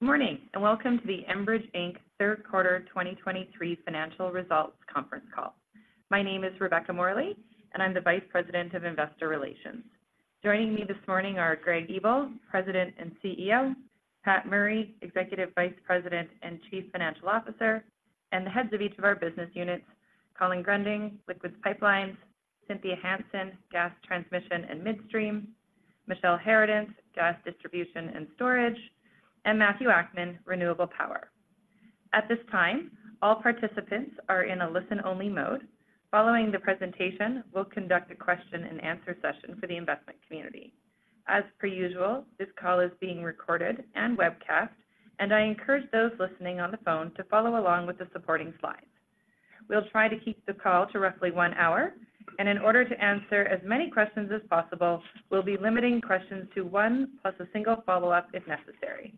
Good morning, and welcome to the Enbridge Inc. Third Quarter 2023 Financial Results Conference Call. My name is Rebecca Morley, and I'm the Vice President of Investor Relations. Joining me this morning are Greg Ebel, President and CEO; Pat Murray, Executive Vice President and Chief Financial Officer; and the heads of each of our business units, Colin Gruending, Liquids Pipelines; Cynthia Hansen, Gas Transmission and Midstream; Michele Harradence, Gas Distribution and Storage; and Matthew Akman, Renewable Power. At this time, all participants are in a listen-only mode. Following the presentation, we'll conduct a question-and-answer session for the investment community. As per usual, this call is being recorded and webcasted, and I encourage those listening on the phone to follow along with the supporting slides. We'll try to keep the call to roughly one hour, and in order to answer as many questions as possible, we'll be limiting questions to one, plus a single follow-up if necessary.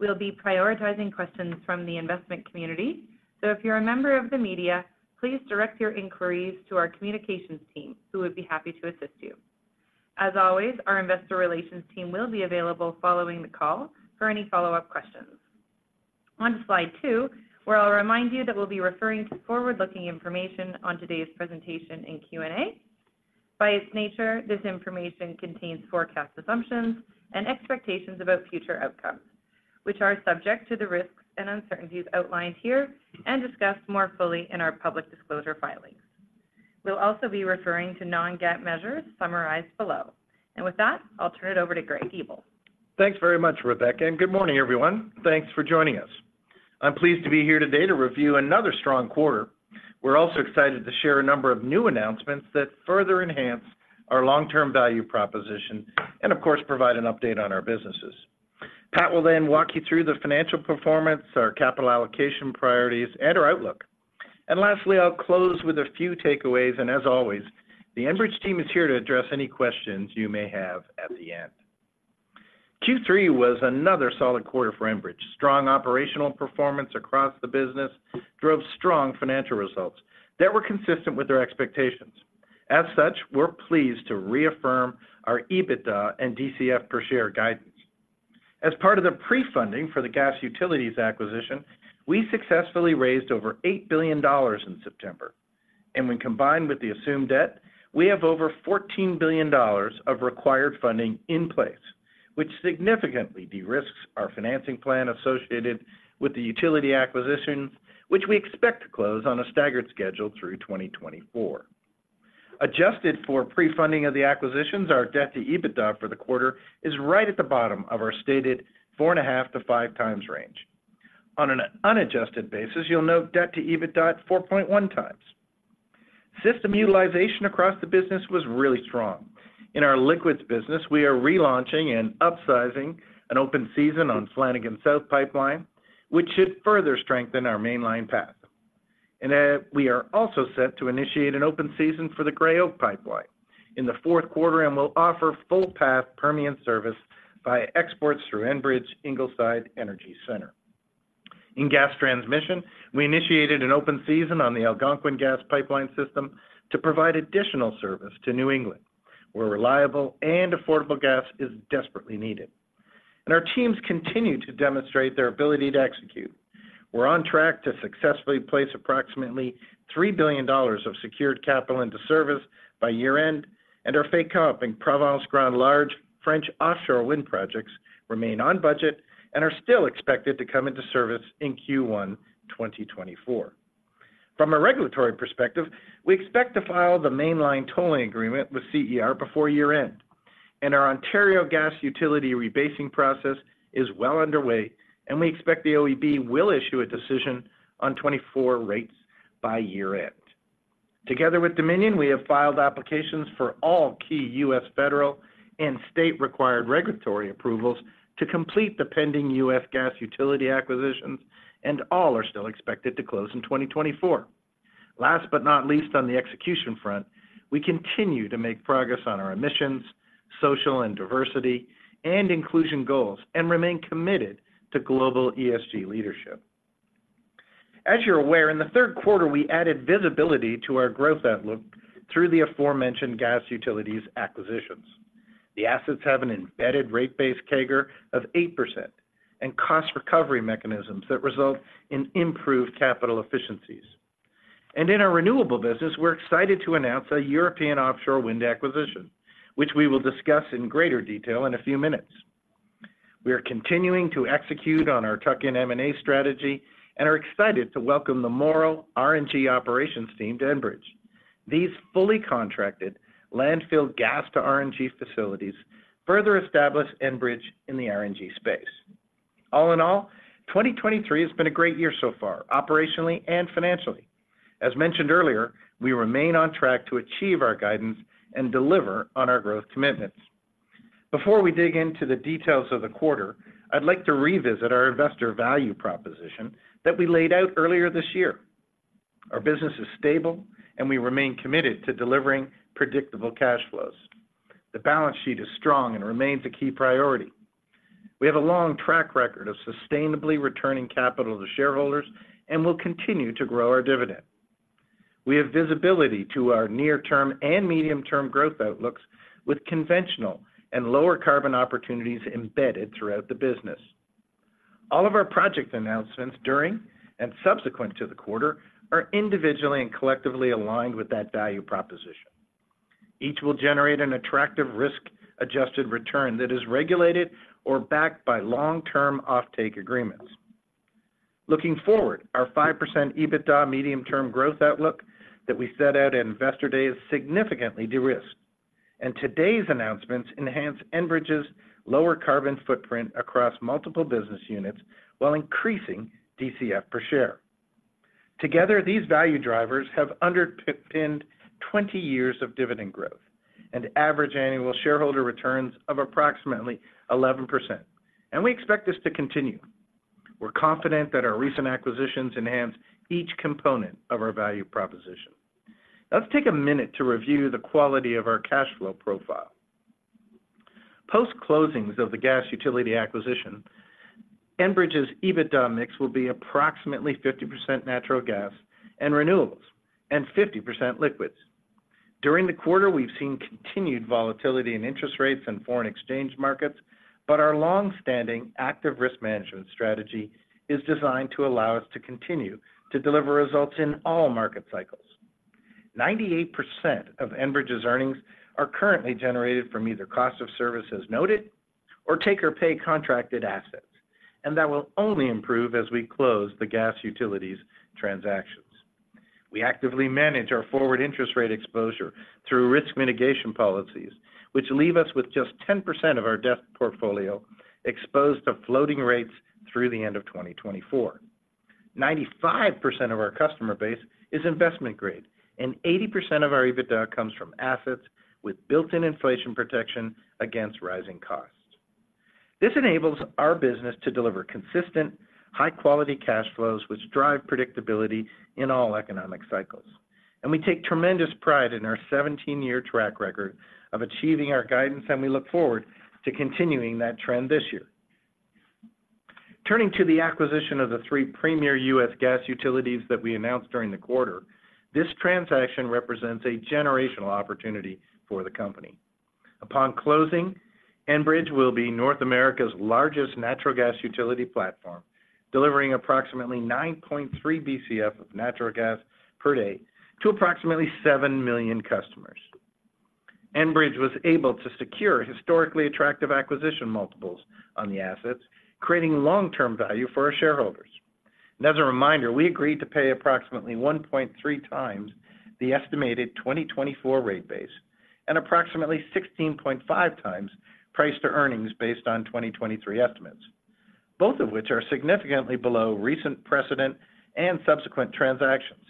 We'll be prioritizing questions from the investment community, so if you're a member of the media, please direct your inquiries to our communications team, who would be happy to assist you. As always, our investor relations team will be available following the call for any follow-up questions. On slide two, I'll remind you that we'll be referring to forward-looking information on today's presentation in Q&A. By its nature, this information contains forecast assumptions and expectations about future outcomes, which are subject to the risks and uncertainties outlined here and discussed more fully in our public disclosure filings. We'll also be referring to non-GAAP measures summarized below. With that, I'll turn it over to Greg Ebel. Thanks very much, Rebecca, and good morning, everyone. Thanks for joining us. I'm pleased to be here today to review another strong quarter. We're also excited to share a number of new announcements that further enhance our long-term value proposition and, of course, provide an update on our businesses. Pat will then walk you through the financial performance, our capital allocation priorities, and our outlook. And lastly, I'll close with a few takeaways, and as always, the Enbridge team is here to address any questions you may have at the end. Q3 was another solid quarter for Enbridge. Strong operational performance across the business drove strong financial results that were consistent with their expectations. As such, we're pleased to reaffirm our EBITDA and DCF per share guidance. As part of the pre-funding for the gas utilities acquisition, we successfully raised over 8 billion dollars in September, and when combined with the assumed debt, we have over 14 billion dollars of required funding in place, which significantly de-risks our financing plan associated with the utility acquisitions, which we expect to close on a staggered schedule through 2024. Adjusted for pre-funding of the acquisitions, our debt to EBITDA for the quarter is right at the bottom of our stated 4.5x-5x range. On an unadjusted basis, you'll note debt to EBITDA at 4.1x. System utilization across the business was really strong. In our liquids business, we are relaunching and upsizing an open season on Flanagan South Pipeline, which should further strengthen our Mainline path. We are also set to initiate an open season for the Gray Oak Pipeline in the fourth quarter and will offer full path Permian service by exports through Enbridge Ingleside Energy Center. In gas transmission, we initiated an open season on the Algonquin gas pipeline system to provide additional service to New England, where reliable and affordable gas is desperately needed. And our teams continue to demonstrate their ability to execute. We're on track to successfully place approximately 3 billion dollars of secured capital into service by year-end, and our Fécamp and Provence Grand Large French offshore wind projects remain on budget and are still expected to come into service in Q1 2024. From a regulatory perspective, we expect to file the mainline tolling agreement with CER before year-end, and our Ontario Gas Utility rebasing process is well underway, and we expect the OEB will issue a decision on 2024 rates by year-end. Together with Dominion, we have filed applications for all key U.S. federal and state-required regulatory approvals to complete the pending U.S. gas utility acquisitions, and all are still expected to close in 2024. Last but not least, on the execution front, we continue to make progress on our emissions, social and diversity, and inclusion goals, and remain committed to global ESG leadership. As you're aware, in the third quarter, we added visibility to our growth outlook through the aforementioned gas utilities acquisitions. The assets have an embedded rate base CAGR of 8% and cost recovery mechanisms that result in improved capital efficiencies. In our renewable business, we're excited to announce a European offshore wind acquisition, which we will discuss in greater detail in a few minutes. We are continuing to execute on our tuck-in M&A strategy and are excited to welcome the Morrow RNG operations team to Enbridge. These fully contracted landfill gas to RNG facilities further establish Enbridge in the RNG space. All in all, 2023 has been a great year so far, operationally and financially. As mentioned earlier, we remain on track to achieve our guidance and deliver on our growth commitments. Before we dig into the details of the quarter, I'd like to revisit our investor value proposition that we laid out earlier this year. Our business is stable, and we remain committed to delivering predictable cash flows. The balance sheet is strong and remains a key priority. We have a long track record of sustainably returning capital to shareholders and will continue to grow our dividend. We have visibility to our near-term and medium-term growth outlooks with conventional and lower carbon opportunities embedded throughout the business. All of our project announcements during and subsequent to the quarter are individually and collectively aligned with that value proposition. Each will generate an attractive risk-adjusted return that is regulated or backed by long-term offtake agreements. Looking forward, our 5% EBITDA medium-term growth outlook that we set out at Investor Day is significantly de-risked, and today's announcements enhance Enbridge's lower carbon footprint across multiple business units while increasing DCF per share. Together, these value drivers have underpinned 20 years of dividend growth and average annual shareholder returns of approximately 11%, and we expect this to continue. We're confident that our recent acquisitions enhance each component of our value proposition. Now, let's take a minute to review the quality of our cash flow profile. Post-closings of the gas utility acquisition, Enbridge's EBITDA mix will be approximately 50% natural gas and renewables and 50% liquids. During the quarter, we've seen continued volatility in interest rates and foreign exchange markets, but our long-standing active risk management strategy is designed to allow us to continue to deliver results in all market cycles. 98% of Enbridge's earnings are currently generated from either cost of service as noted or take-or-pay contracted assets, and that will only improve as we close the gas utilities transactions. We actively manage our forward interest rate exposure through risk mitigation policies, which leave us with just 10% of our debt portfolio exposed to floating rates through the end of 2024. 95% of our customer base is investment-grade, and 80% of our EBITDA comes from assets with built-in inflation protection against rising costs. This enables our business to deliver consistent, high-quality cash flows, which drive predictability in all economic cycles. We take tremendous pride in our 17-year track record of achieving our guidance, and we look forward to continuing that trend this year. Turning to the acquisition of the three premier U.S. gas utilities that we announced during the quarter, this transaction represents a generational opportunity for the company. Upon closing, Enbridge will be North America's largest natural gas utility platform, delivering approximately 9.3 Bcf of natural gas per day to approximately 7 million customers. Enbridge was able to secure historically attractive acquisition multiples on the assets, creating long-term value for our shareholders. As a reminder, we agreed to pay approximately 1.3x the estimated 2024 rate base and approximately 16.5x price to earnings based on 2023 estimates, both of which are significantly below recent precedent and subsequent transactions.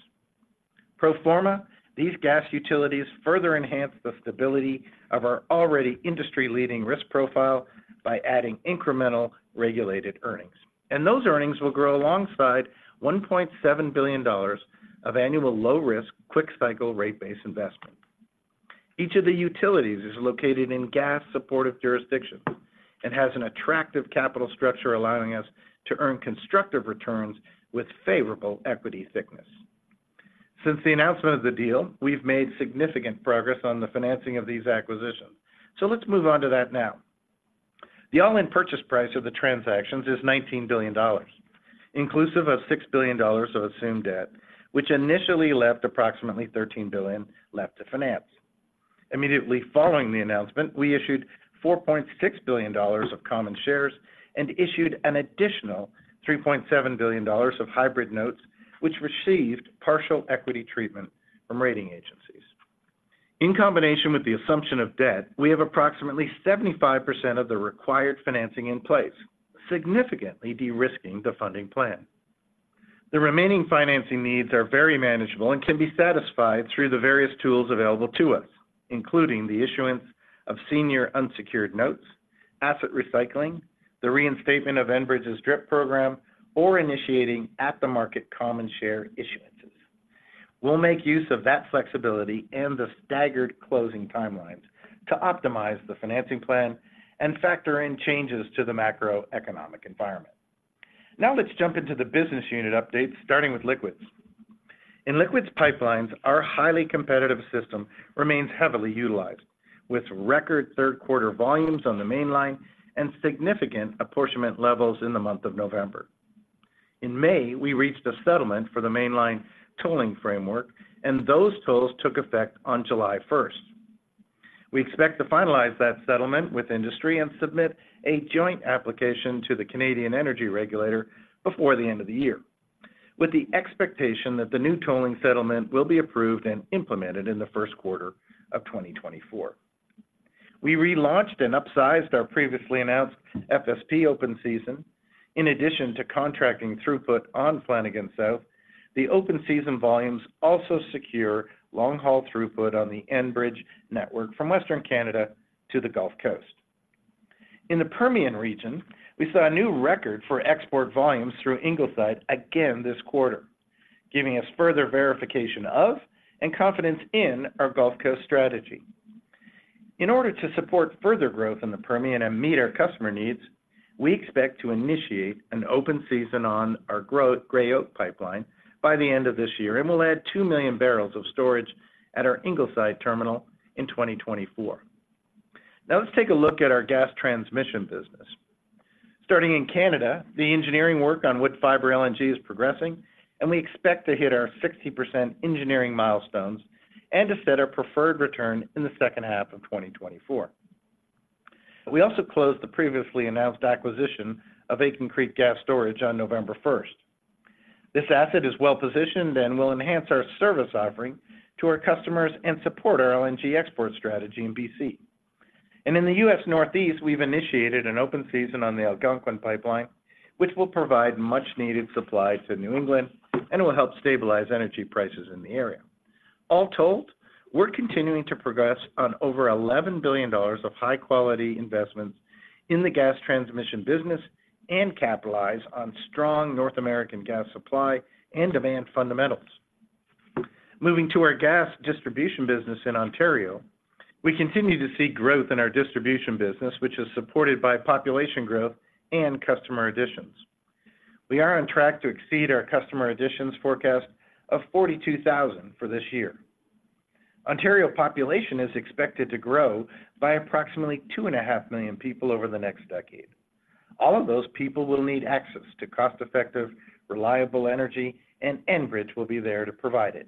Pro forma, these gas utilities further enhance the stability of our already industry-leading risk profile by adding incremental regulated earnings. Those earnings will grow alongside 1.7 billion dollars of annual low-risk, quick-cycle, rate-based investment. Each of the utilities is located in gas-supportive jurisdictions and has an attractive capital structure, allowing us to earn constructive returns with favorable equity thickness. Since the announcement of the deal, we've made significant progress on the financing of these acquisitions. Let's move on to that now. The all-in purchase price of the transactions is 19 billion dollars, inclusive of 6 billion dollars of assumed debt, which initially left approximately 13 billion left to finance. Immediately following the announcement, we issued 4.6 billion dollars of common shares and issued an additional 3.7 billion dollars of hybrid notes, which received partial equity treatment from rating agencies. In combination with the assumption of debt, we have approximately 75% of the required financing in place, significantly de-risking the funding plan. The remaining financing needs are very manageable and can be satisfied through the various tools available to us, including the issuance of senior unsecured notes, asset recycling, the reinstatement of Enbridge's DRIP program, or initiating at-the-market common share issuances. We'll make use of that flexibility and the staggered closing timelines to optimize the financing plan and factor in changes to the macroeconomic environment. Now let's jump into the business unit updates, starting with Liquids. In Liquids pipelines, our highly competitive system remains heavily utilized, with record third quarter volumes on the Mainline and significant apportionment levels in the month of November. In May, we reached a settlement for the Mainline tolling framework, and those tolls took effect on July 1st. We expect to finalize that settlement with industry and submit a joint application to the Canadian Energy Regulator before the end of the year, with the expectation that the new tolling settlement will be approved and implemented in the first quarter of 2024. We relaunched and upsized our previously announced FSP open season. In addition to contracting throughput on Flanagan South, the open season volumes also secure long-haul throughput on the Enbridge network from Western Canada to the Gulf Coast. In the Permian region, we saw a new record for export volumes through Ingleside again this quarter, giving us further verification of and confidence in our Gulf Coast strategy. In order to support further growth in the Permian and meet our customer needs, we expect to initiate an open season on our Gray Oak Pipeline by the end of this year, and we'll add 2 million bbl of storage at our Ingleside terminal in 2024. Now, let's take a look at our gas transmission business. Starting in Canada, the engineering work on Woodfibre LNG is progressing, and we expect to hit our 60% engineering milestones and to set our preferred return in the second half of 2024. We also closed the previously announced acquisition of Aitken Creek Gas Storage on November 1st. This asset is well-positioned and will enhance our service offering to our customers and support our LNG export strategy in BC. In the U.S. Northeast, we've initiated an open season on the Algonquin Pipeline, which will provide much-needed supply to New England and it will help stabilize energy prices in the area. All told, we're continuing to progress on over 11 billion dollars of high-quality investments in the gas transmission business and capitalize on strong North American gas supply and demand fundamentals. Moving to our gas distribution business in Ontario, we continue to see growth in our distribution business, which is supported by population growth and customer additions. We are on track to exceed our customer additions forecast of 42,000 for this year. Ontario population is expected to grow by approximately 2.5 million people over the next decade. All of those people will need access to cost-effective, reliable energy, and Enbridge will be there to provide it.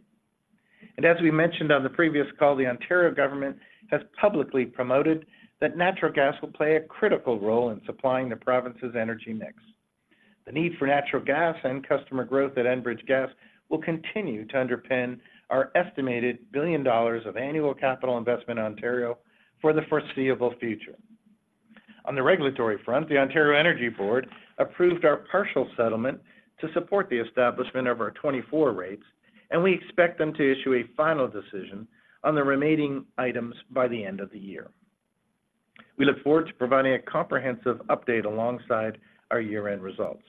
As we mentioned on the previous call, the Ontario government has publicly promoted that natural gas will play a critical role in supplying the province's energy mix. The need for natural gas and customer growth at Enbridge Gas will continue to underpin our estimated 1 billion dollars of annual capital investment in Ontario for the foreseeable future. On the regulatory front, the Ontario Energy Board approved our partial settlement to support the establishment of our 2024 rates, and we expect them to issue a final decision on the remaining items by the end of the year. We look forward to providing a comprehensive update alongside our year-end results.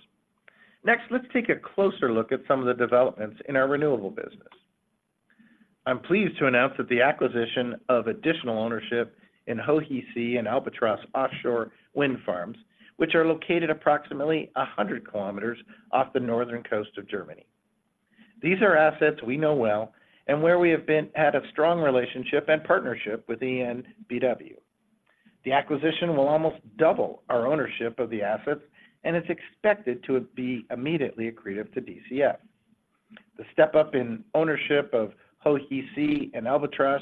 Next, let's take a closer look at some of the developments in our renewable business. I'm pleased to announce that the acquisition of additional ownership in Hohe See and Albatros offshore wind farms, which are located approximately 100 km off the northern coast of Germany. These are assets we know well and where we had a strong relationship and partnership with EnBW. The acquisition will almost double our ownership of the assets, and it's expected to be immediately accretive to DCF. The step up in ownership of Hohe See and Albatros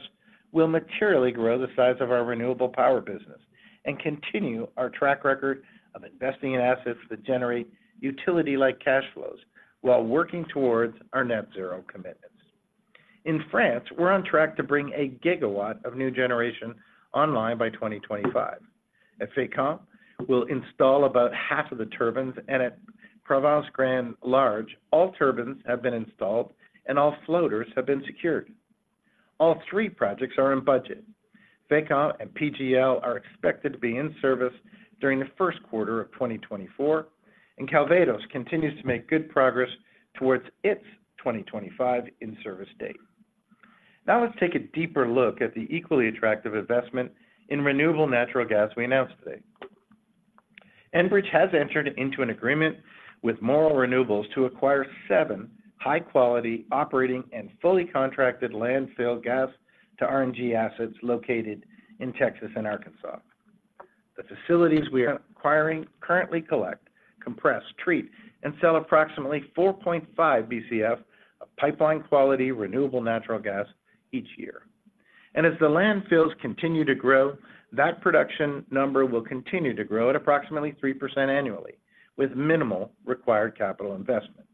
will materially grow the size of our renewable power business and continue our track record of investing in assets that generate utility-like cash flows while working towards our net zero commitments. In France, we're on track to bring 1 GW of new generation online by 2025. At Fécamp, we'll install about half of the turbines, and at Provence Grand Large, all turbines have been installed and all floaters have been secured. All three projects are on budget. Fécamp and PGL are expected to be in service during the first quarter of 2024, and Calvados continues to make good progress towards its 2025 in-service date. Now, let's take a deeper look at the equally attractive investment in renewable natural gas we announced today. Enbridge has entered into an agreement with Morrow Renewables to acquire seven high-quality, operating, and fully contracted landfill gas to RNG assets located in Texas and Arkansas. The facilities we are acquiring currently collect, compress, treat, and sell approximately 4.5 Bcf of pipeline-quality, renewable natural gas each year. As the landfills continue to grow, that production number will continue to grow at approximately 3% annually, with minimal required capital investment.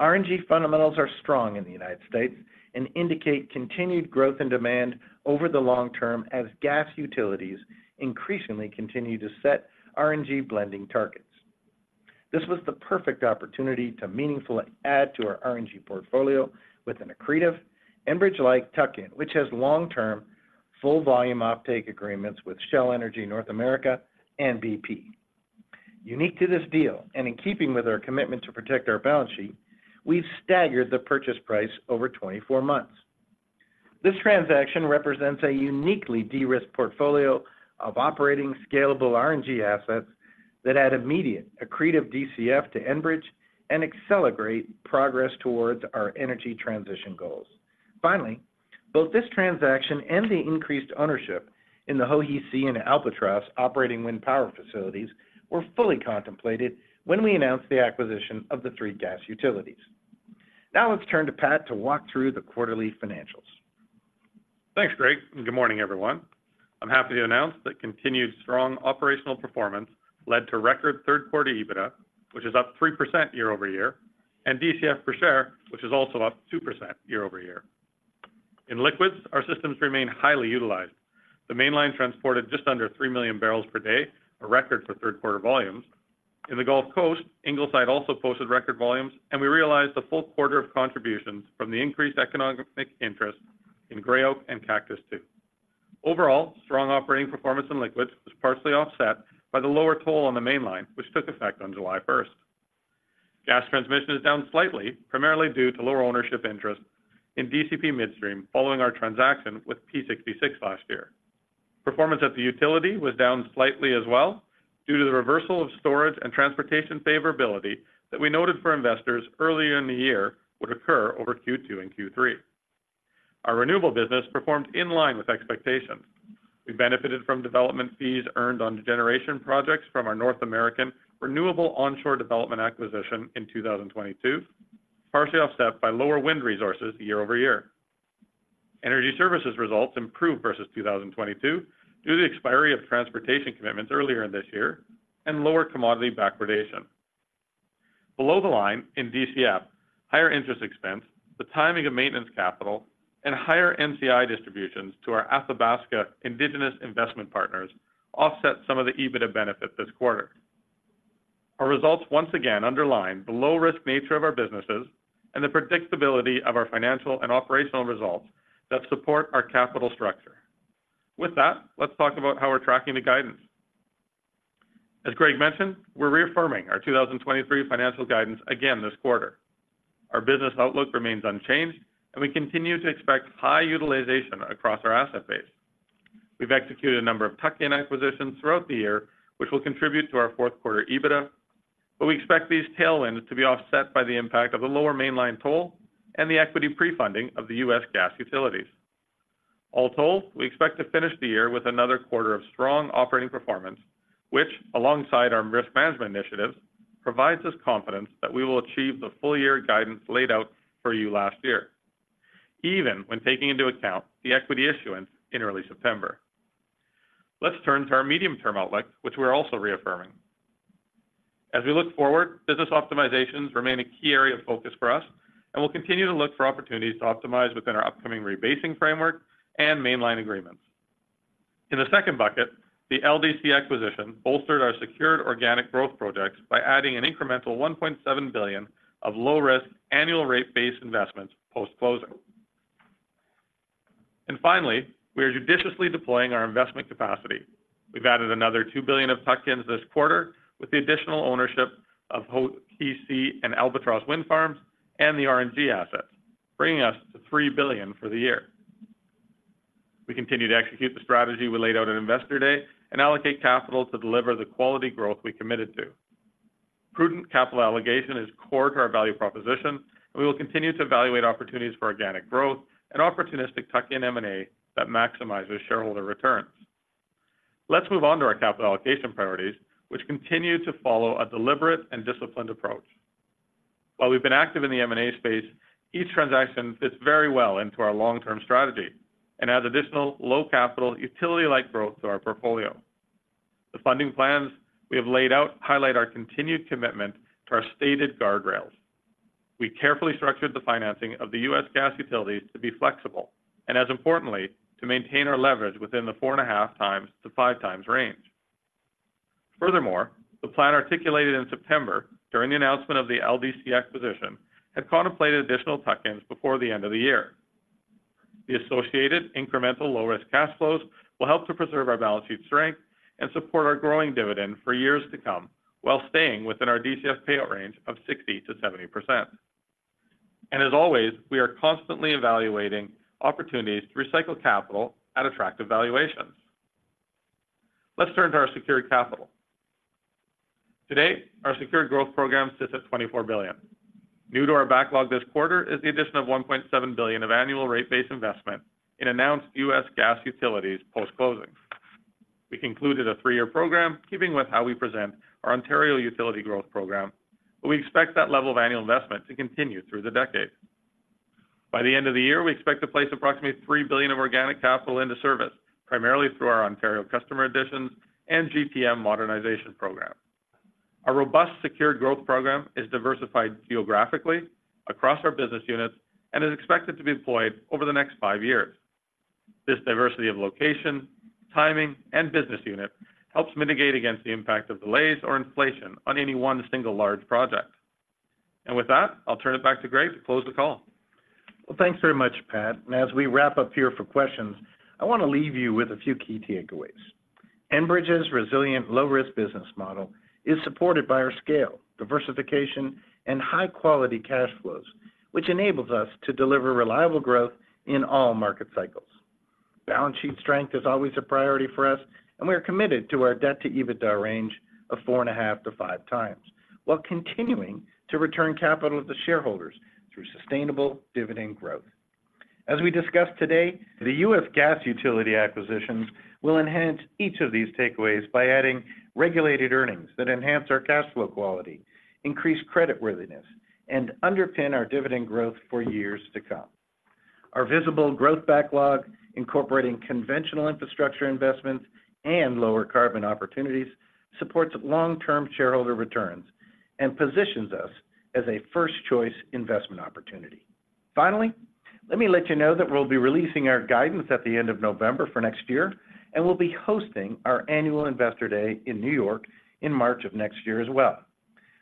RNG fundamentals are strong in the United States and indicate continued growth in demand over the long term as gas utilities increasingly continue to set RNG blending targets. This was the perfect opportunity to meaningfully add to our RNG portfolio with an accretive Enbridge-like tuck-in, which has long-term, full-volume offtake agreements with Shell Energy North America and BP. Unique to this deal, and in keeping with our commitment to protect our balance sheet, we've staggered the purchase price over 24 months. This transaction represents a uniquely de-risked portfolio of operating scalable RNG assets that add immediate accretive DCF to Enbridge and accelerate progress towards our energy transition goals. Finally, both this transaction and the increased ownership in the Hohe See and Albatros operating wind power facilities were fully contemplated when we announced the acquisition of the three gas utilities. Now, let's turn to Pat to walk through the quarterly financials. Thanks, Greg, and good morning, everyone. I'm happy to announce that continued strong operational performance led to record third-quarter EBITDA, which is up 3% year-over-year, and DCF per share, which is also up 2% year-over-year. In Liquids, our systems remain highly utilized. The Mainline transported just under 3 million bbl per day, a record for third-quarter volumes. In the Gulf Coast, Ingleside also posted record volumes, and we realized the full quarter of contributions from the increased economic interest in Gray Oak and Cactus II. Overall, strong operating performance in liquids was partially offset by the lower toll on the Mainline, which took effect on July 1st. Gas Transmission is down slightly, primarily due to lower ownership interest in DCP Midstream, following our transaction with P66 last year. Performance at the utility was down slightly as well, due to the reversal of storage and transportation favorability that we noted for investors earlier in the year would occur over Q2 and Q3. Our renewable business performed in line with expectations. We benefited from development fees earned on generation projects from our North American Renewable Onshore Development acquisition in 2022, partially offset by lower wind resources year-over-year. Energy services results improved versus 2022 due to the expiry of transportation commitments earlier in this year and lower commodity backwardation. Below the line in DCF, higher interest expense, the timing of maintenance capital, and higher NCI distributions to our Athabasca Indigenous investment partners offset some of the EBITDA benefit this quarter. Our results once again underline the low-risk nature of our businesses and the predictability of our financial and operational results that support our capital structure. With that, let's talk about how we're tracking the guidance. As Greg mentioned, we're reaffirming our 2023 financial guidance again this quarter. Our business outlook remains unchanged, and we continue to expect high utilization across our asset base. We've executed a number of tuck-in acquisitions throughout the year, which will contribute to our fourth quarter EBITDA, but we expect these tailwinds to be offset by the impact of the lower Mainline toll and the equity pre-funding of the U.S. gas utilities. All told, we expect to finish the year with another quarter of strong operating performance, which, alongside our risk management initiatives, provides us confidence that we will achieve the full year guidance laid out for you last year, even when taking into account the equity issuance in early September. Let's turn to our medium-term outlook, which we're also reaffirming. As we look forward, business optimizations remain a key area of focus for us, and we'll continue to look for opportunities to optimize within our upcoming rebasing framework and mainline agreements. In the second bucket, the LDC acquisition bolstered our secured organic growth projects by adding an incremental 1.7 billion of low-risk, annual rate-based investments post-closing. And finally, we are judiciously deploying our investment capacity. We've added another 2 billion of tuck-ins this quarter with the additional ownership of Hohe See and Albatros Wind Farms and the RNG assets, bringing us to 3 billion for the year. We continue to execute the strategy we laid out at Investor Day and allocate capital to deliver the quality growth we committed to. Prudent capital allocation is core to our value proposition, and we will continue to evaluate opportunities for organic growth and opportunistic tuck-in M&A that maximizes shareholder returns. Let's move on to our capital allocation priorities, which continue to follow a deliberate and disciplined approach. While we've been active in the M&A space, each transaction fits very well into our long-term strategy and adds additional low-capital, utility-like growth to our portfolio. The funding plans we have laid out highlight our continued commitment to our stated guardrails. We carefully structured the financing of the U.S. Gas Utilities to be flexible, and as importantly, to maintain our leverage within the 4.5x-5x range. Furthermore, the plan articulated in September during the announcement of the LDC acquisition, had contemplated additional tuck-ins before the end of the year. The associated incremental low-risk cash flows will help to preserve our balance sheet strength and support our growing dividend for years to come, while staying within our DCF payout range of 60%-70%. And as always, we are constantly evaluating opportunities to recycle capital at attractive valuations. Let's turn to our secured capital. Today, our secured growth program sits at CAD 24 billion. New to our backlog this quarter is the addition of CAD 1.7 billion of annual rate-based investment in announced U.S. Gas Utilities post-closing. We concluded a 3-year program, keeping with how we present our Ontario Utility Growth Program, but we expect that level of annual investment to continue through the decade. By the end of the year, we expect to place approximately 3 billion of organic capital into service, primarily through our Ontario customer additions and GTM modernization program. Our robust secured growth program is diversified geographically across our business units and is expected to be deployed over the next 5 years. This diversity of location, timing, and business unit helps mitigate against the impact of delays or inflation on any one single large project. With that, I'll turn it back to Greg to close the call. Well, thanks very much, Pat. As we wrap up here for questions, I want to leave you with a few key takeaways. Enbridge's resilient, low-risk business model is supported by our scale, diversification, and high-quality cash flows, which enables us to deliver reliable growth in all market cycles. Balance sheet strength is always a priority for us, and we are committed to our debt to EBITDA range of 4.5-5 times, while continuing to return capital to shareholders through sustainable dividend growth. As we discussed today, the U.S. gas utility acquisition will enhance each of these takeaways by adding regulated earnings that enhance our cash flow quality, increase credit worthiness, and underpin our dividend growth for years to come. Our visible growth backlog, incorporating conventional infrastructure investments and lower carbon opportunities, supports long-term shareholder returns and positions us as a first-choice investment opportunity. Finally, let me let you know that we'll be releasing our guidance at the end of November for next year, and we'll be hosting our Annual Investor Day in New York in March of next year as well.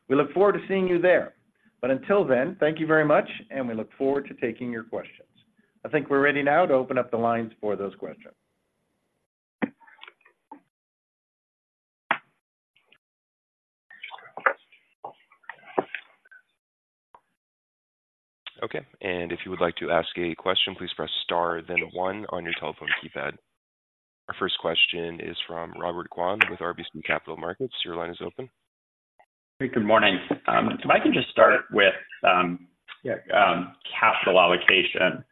We look forward to seeing you there, but until then, thank you very much, and we look forward to taking your questions. I think we're ready now to open up the lines for those questions. ... Okay, and if you would like to ask a question, please press star then one on your telephone keypad. Our first question is from Robert Kwan with RBC Capital Markets. Your line is open. Hey, good morning. If I can just start with capital allocation,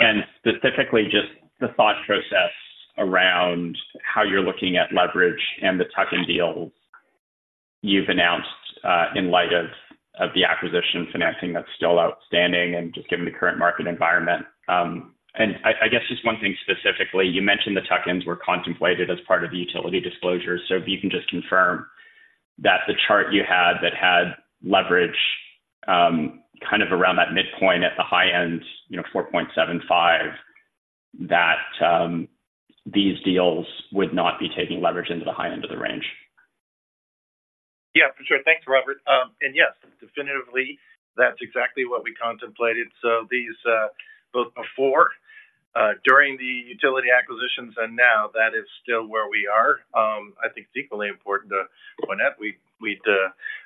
and specifically just the thought process around how you're looking at leverage and the tuck-in deals you've announced in light of the acquisition financing that's still outstanding and just given the current market environment. And I guess just one thing specifically, you mentioned the tuck-ins were contemplated as part of the utility disclosure. So if you can just confirm that the chart you had that had leverage kind of around that midpoint at the high end, you know, 4.75, these deals would not be taking leverage into the high end of the range. Yeah, for sure. Thanks, Robert. And yes, definitively, that's exactly what we contemplated. So these, both before, during the utility acquisitions and now that is still where we are. I think it's equally important to point out we'd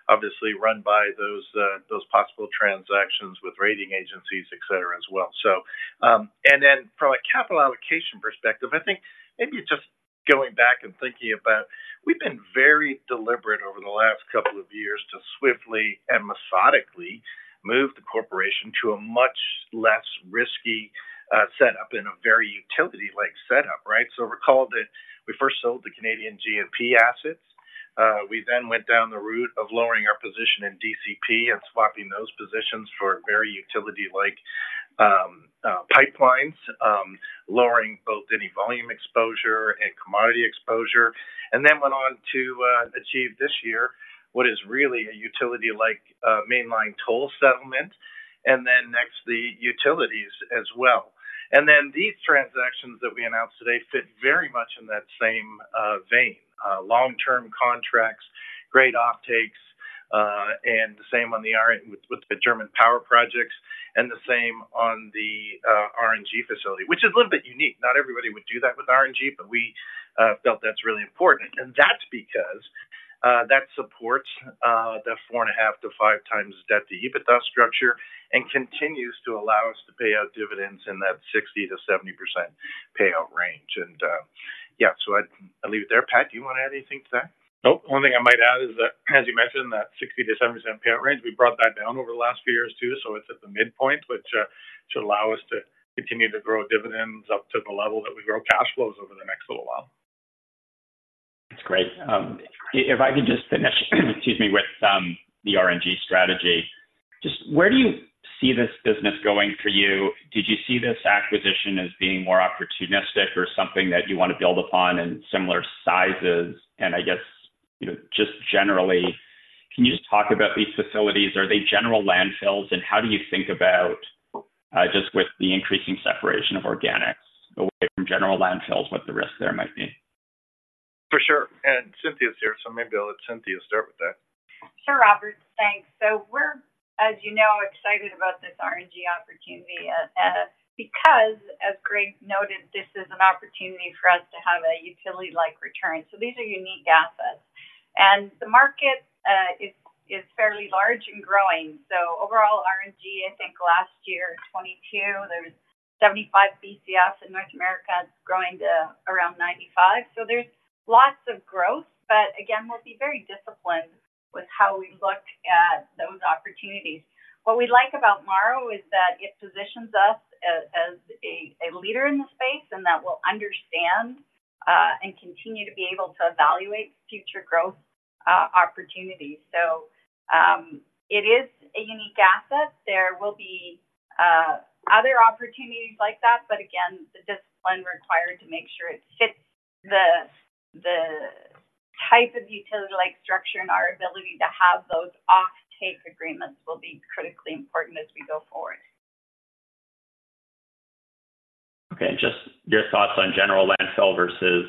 obviously run by those, those possible transactions with rating agencies, et cetera, as well. So, and then from a capital allocation perspective, I think maybe just going back and thinking about, we've been very deliberate over the last couple of years to swiftly and methodically move the corporation to a much less risky, setup and a very utility-like setup, right? So recall that we first sold the Canadian G&P assets. We then went down the route of lowering our position in DCP and swapping those positions for very utility-like pipelines, lowering both any volume exposure and commodity exposure, and then went on to achieve this year what is really a utility-like Mainline toll settlement, and then next, the utilities as well. And then these transactions that we announced today fit very much in that same vein, long-term contracts, great offtakes, and the same on the RNG with the German power projects, and the same on the RNG facility, which is a little bit unique. Not everybody would do that with RNG, but we felt that's really important, and that's because that supports the 4.5-5 times debt-to-EBITDA structure and continues to allow us to pay out dividends in that 60%-70% payout range. Yeah, so I leave it there. Pat, do you want to add anything to that? Nope. One thing I might add is that, as you mentioned, that 60%-70% payout range, we brought that down over the last few years, too, so it's at the midpoint, which should allow us to continue to grow dividends up to the level that we grow cash flows over the next little while. That's great. If I could just finish, excuse me, with the RNG strategy, just where do you see this business going for you? Did you see this acquisition as being more opportunistic or something that you want to build upon in similar sizes? And I guess, you know, just generally, can you just talk about these facilities? Are they general landfills, and how do you think about just with the increasing separation of organics away from general landfills, what the risk there might be? For sure. Cynthia is here, so maybe I'll let Cynthia start with that. Sure, Robert. Thanks. So we're, as you know, excited about this RNG opportunity, because, as Greg noted, this is an opportunity for us to have a utility-like return. So these are unique assets, and the market is fairly large and growing. So overall, RNG, I think last year, 2022, there was 75 Bcf in North America, growing to around 95 Bcf. So there's lots of growth, but again, we'll be very disciplined with how we look at those opportunities. What we like about Morrow is that it positions us as a leader in the space and that we'll understand and continue to be able to evaluate future growth opportunities. So it is a unique asset. There will be other opportunities like that, but again, the discipline required to make sure it fits the type of utility-like structure and our ability to have those offtake agreements will be critically important as we go forward. Okay. Just your thoughts on general landfill versus,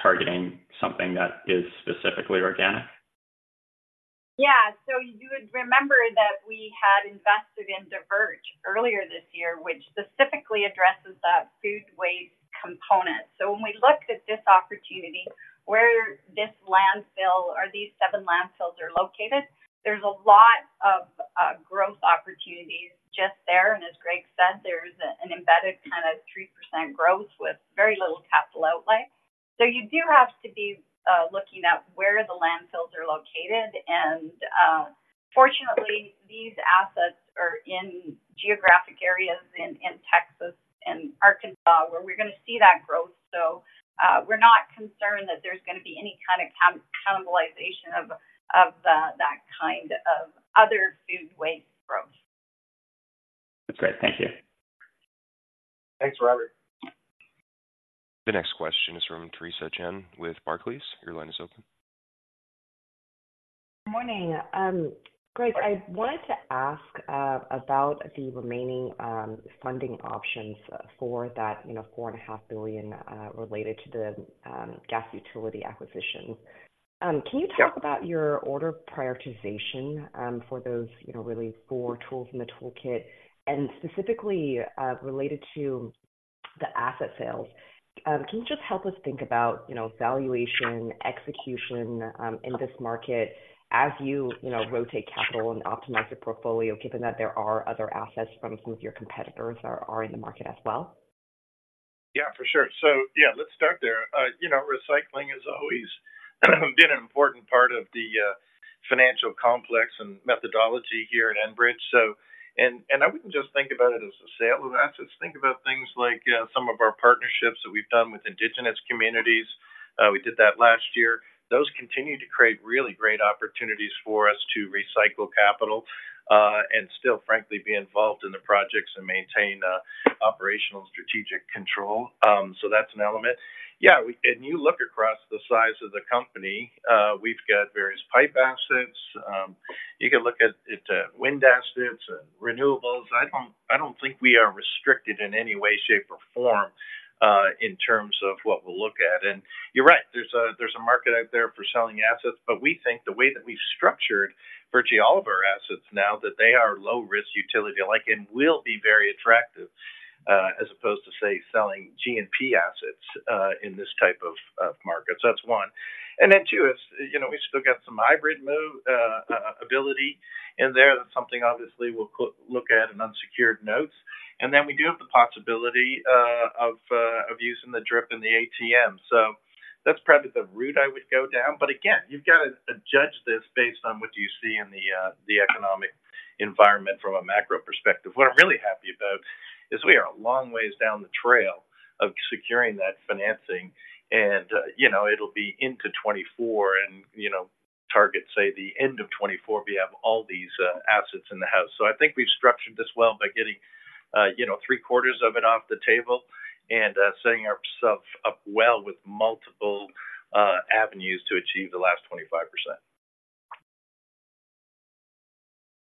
targeting something that is specifically organic. Yeah. So you would remember that we had invested in Diverge earlier this year, which specifically addresses that food waste component. So when we looked at this opportunity, where this landfill or these seven landfills are located, there's a lot of growth opportunities just there. And as Greg said, there's an embedded kind of 3% growth with very little capital outlay. So you do have to be looking at where the landfills are located. And fortunately, these assets are in geographic areas in Texas and Arkansas, where we're going to see that growth. So we're not concerned that there's going to be any kind of cannibalization of that kind of other food waste growth. That's great. Thank you. Thanks, Robert. The next question is from Theresa Chen with Barclays. Your line is open. Good morning. Greg, I wanted to ask about the remaining funding options for that, you know, 4.5 billion related to the gas utility acquisition. Can you talk about your order prioritization for those, you know, really four tools in the toolkit? And specifically related to the asset sales, can you just help us think about, you know, valuation, execution in this market as you, you know, rotate capital and optimize the portfolio, given that there are other assets from some of your competitors are in the market as well? Yeah, for sure. So, yeah, let's start there. You know, recycling has always been an important part of the financial complex and methodology here at Enbridge. So, and, and I wouldn't just think about it as a sale of assets. Think about things like some of our partnerships that we've done with Indigenous communities. We did that last year. Those continue to create really great opportunities for us to recycle capital, and still, frankly, be involved in the projects and maintain operational strategic control. So that's an element. Yeah, and you look across the size of the company, we've got various pipe assets. You can look at wind assets and renewables. I don't, I don't think we are restricted in any way, shape, or form, in terms of what we'll look at. And you're right, there's a market out there for selling assets, but we think the way that we've structured virtually all of our assets now, that they are low risk, utility-like, and will be very attractive, as opposed to, say, selling GNP assets, in this type of market. So that's one. And then two, as you know, we still got some hybrid notes ability in there. That's something obviously we'll look at in unsecured notes. And then we do have the possibility, of using the DRIP and the ATM. So that's probably the route I would go down. But again, you've got to judge this based on what you see in the economic environment from a macro perspective. What I'm really happy about is we are a long ways down the trail of securing that financing and, you know, it'll be into 2024 and, you know, target, say, the end of 2024, we have all these assets in the house. So I think we've structured this well by getting, you know, three-quarters of it off the table and setting ourselves up well with multiple avenues to achieve the last 25%.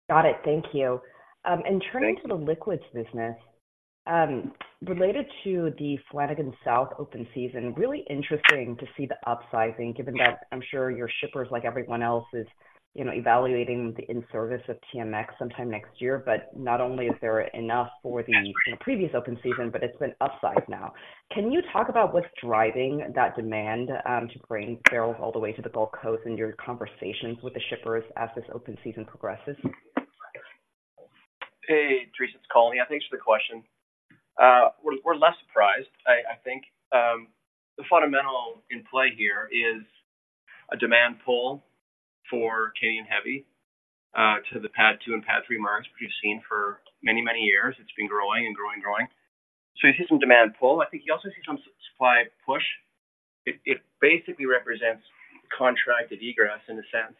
Got it. Thank you, and turning- Thank you. -to the liquids business, related to the Flanagan South Open Season, really interesting to see the upsizing, given that I'm sure your shippers, like everyone else, is, you know, evaluating the in-service of TMX sometime next year. But not only is there enough for the, you know, previous open season, but it's been upsized now. Can you talk about what's driving that demand, to bring barrels all the way to the Gulf Coast and your conversations with the shippers as this open season progresses? Hey, Teresa, it's Colin. Yeah, thanks for the question. We're less surprised. I think the fundamental in play here is a demand pull for Canadian heavy to the PADD II and PADD III markets, which we've seen for many, many years. It's been growing and growing and growing. So you see some demand pull. I think you also see some supply push. It basically represents contracted egress in the sense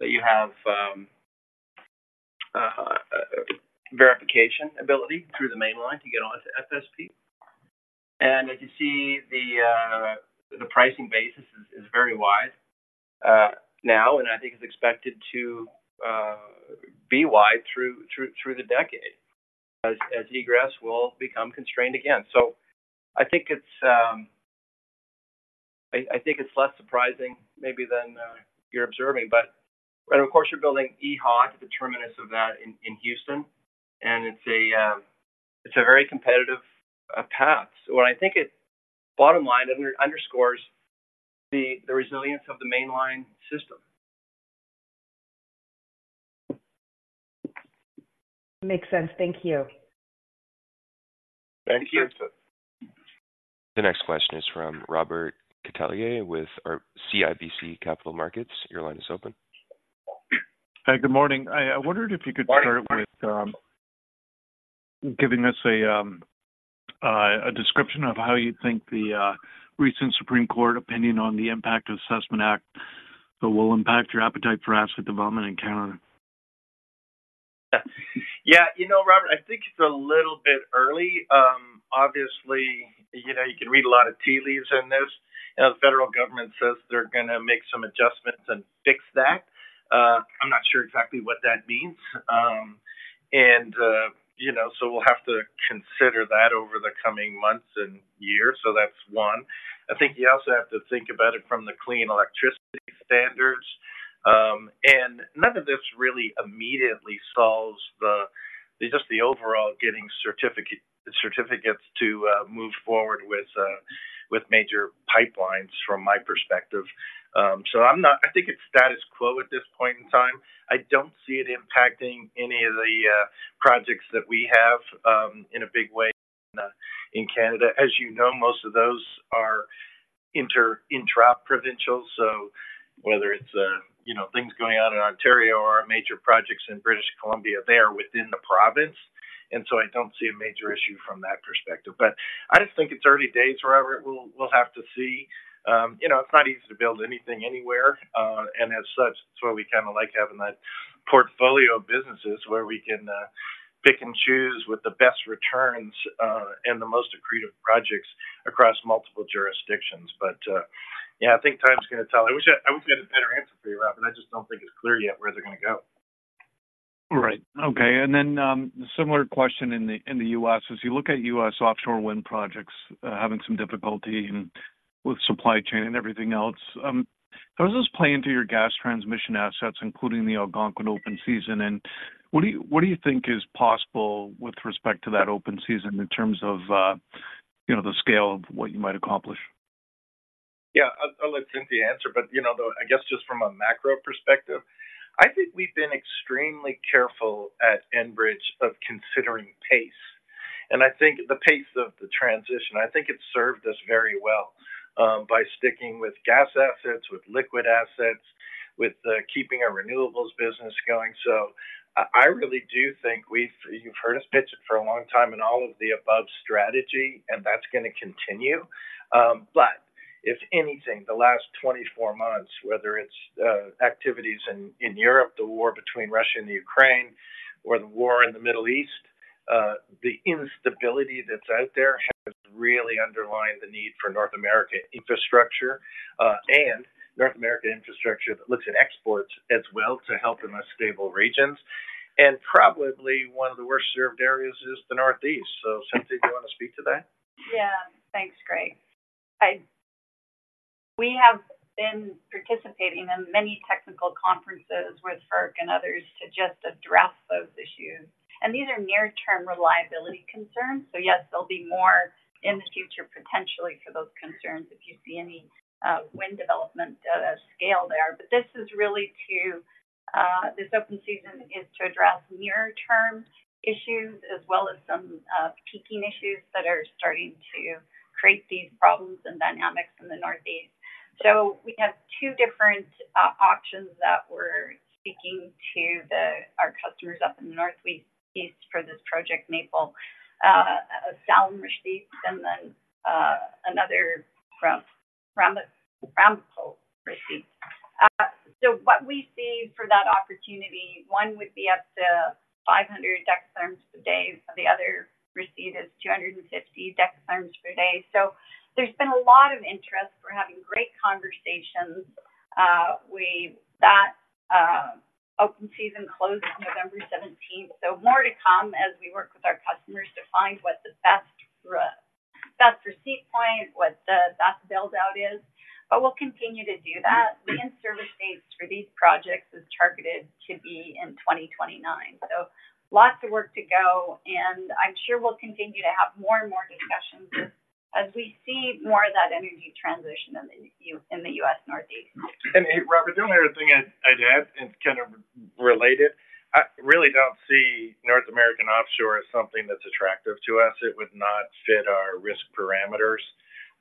that you have verification ability through the Mainline to get onto FSP. And as you see, the pricing basis is very wide now, and I think it's expected to be wide through the decade as egress will become constrained again. So I think it's less surprising maybe than you're observing but—and of course, you're building EHOT, the terminus of that in Houston, and it's a very competitive path. So what I think it bottom line underscores the resilience of the Mainline system. Makes sense. Thank you. Thank you. The next question is from Robert Catellier with CIBC Capital Markets. Your line is open. Hi, good morning. I wondered if you could start with giving us a description of how you think the recent Supreme Court opinion on the Impact Assessment Act that will impact your appetite for asset development in Canada? Yeah. You know, Robert, I think it's a little bit early. Obviously, you know, you can read a lot of tea leaves in this. You know, the federal government says they're gonna make some adjustments and fix that. I'm not sure exactly what that means. And, you know, so we'll have to consider that over the coming months and years. So that's one. I think you also have to think about it from the clean electricity standards. And none of this really immediately solves the, just the overall getting certificate, certificates to move forward with with major pipelines, from my perspective. So I'm not. I think it's status quo at this point in time. I don't see it impacting any of the projects that we have in a big way in in Canada. As you know, most of those are intraprovincial. So whether it's, you know, things going on in Ontario or our major projects in British Columbia, they are within the province, and so I don't see a major issue from that perspective, but I just think it's early days, Robert. We'll, we'll have to see. You know, it's not easy to build anything anywhere, and as such, it's why we kind of like having that portfolio of businesses where we can, pick and choose with the best returns, and the most accretive projects across multiple jurisdictions. But, yeah, I think time is gonna tell. I wish I, I wish I had a better answer for you, Robert. I just don't think it's clear yet where they're gonna go.... Right. Okay. Then, similar question in the U.S. As you look at U.S. offshore wind projects, having some difficulty with supply chain and everything else, how does this play into your gas transmission assets, including the Algonquin open season? And what do you think is possible with respect to that open season in terms of, you know, the scale of what you might accomplish? Yeah, I'll let Cynthia answer, but, you know, though, I guess just from a macro perspective, I think we've been extremely careful at Enbridge of considering pace, and I think the pace of the transition. I think it's served us very well by sticking with gas assets, with liquid assets, with keeping our renewables business going. So I really do think we've—you've heard us pitch it for a long time and all of the above strategy, and that's going to continue. But if anything, the last 24 months, whether it's activities in Europe, the war between Russia and Ukraine, or the war in the Middle East, the instability that's out there has really underlined the need for North American infrastructure, and North American infrastructure that looks at exports as well to help in less stable regions. Probably one of the worst-served areas is the Northeast. Cynthia, do you want to speak to that? Yeah. Thanks, Greg. We have been participating in many technical conferences with FERC and others to just address those issues, and these are near-term reliability concerns. So, yes, there'll be more in the future, potentially, for those concerns if you see any wind development scale there. But this is really to this open season is to address near-term issues as well as some peaking issues that are starting to create these problems and dynamics in the Northeast. So we have two different auctions that we're speaking to our customers up in the Northeast for this Project Maple Salem receipts, and then another from Ramapo Receipt. So what we see for that opportunity, one would be up to 500 dekatherms per day. The other receipt is 250 dekatherms per day. So there's been a lot of interest. We're having great conversations. That open season closed November 17th, so more to come as we work with our customers to find what the best receipt point, what the best build-out is, but we'll continue to do that. The in-service dates for these projects is targeted to be in 2029. So lots of work to go, and I'm sure we'll continue to have more and more discussions as we see more of that energy transition in the U.S. Northeast. Robert, the only other thing I'd add, and it's kind of related, I really don't see North American offshore as something that's attractive to us. It would not fit our risk parameters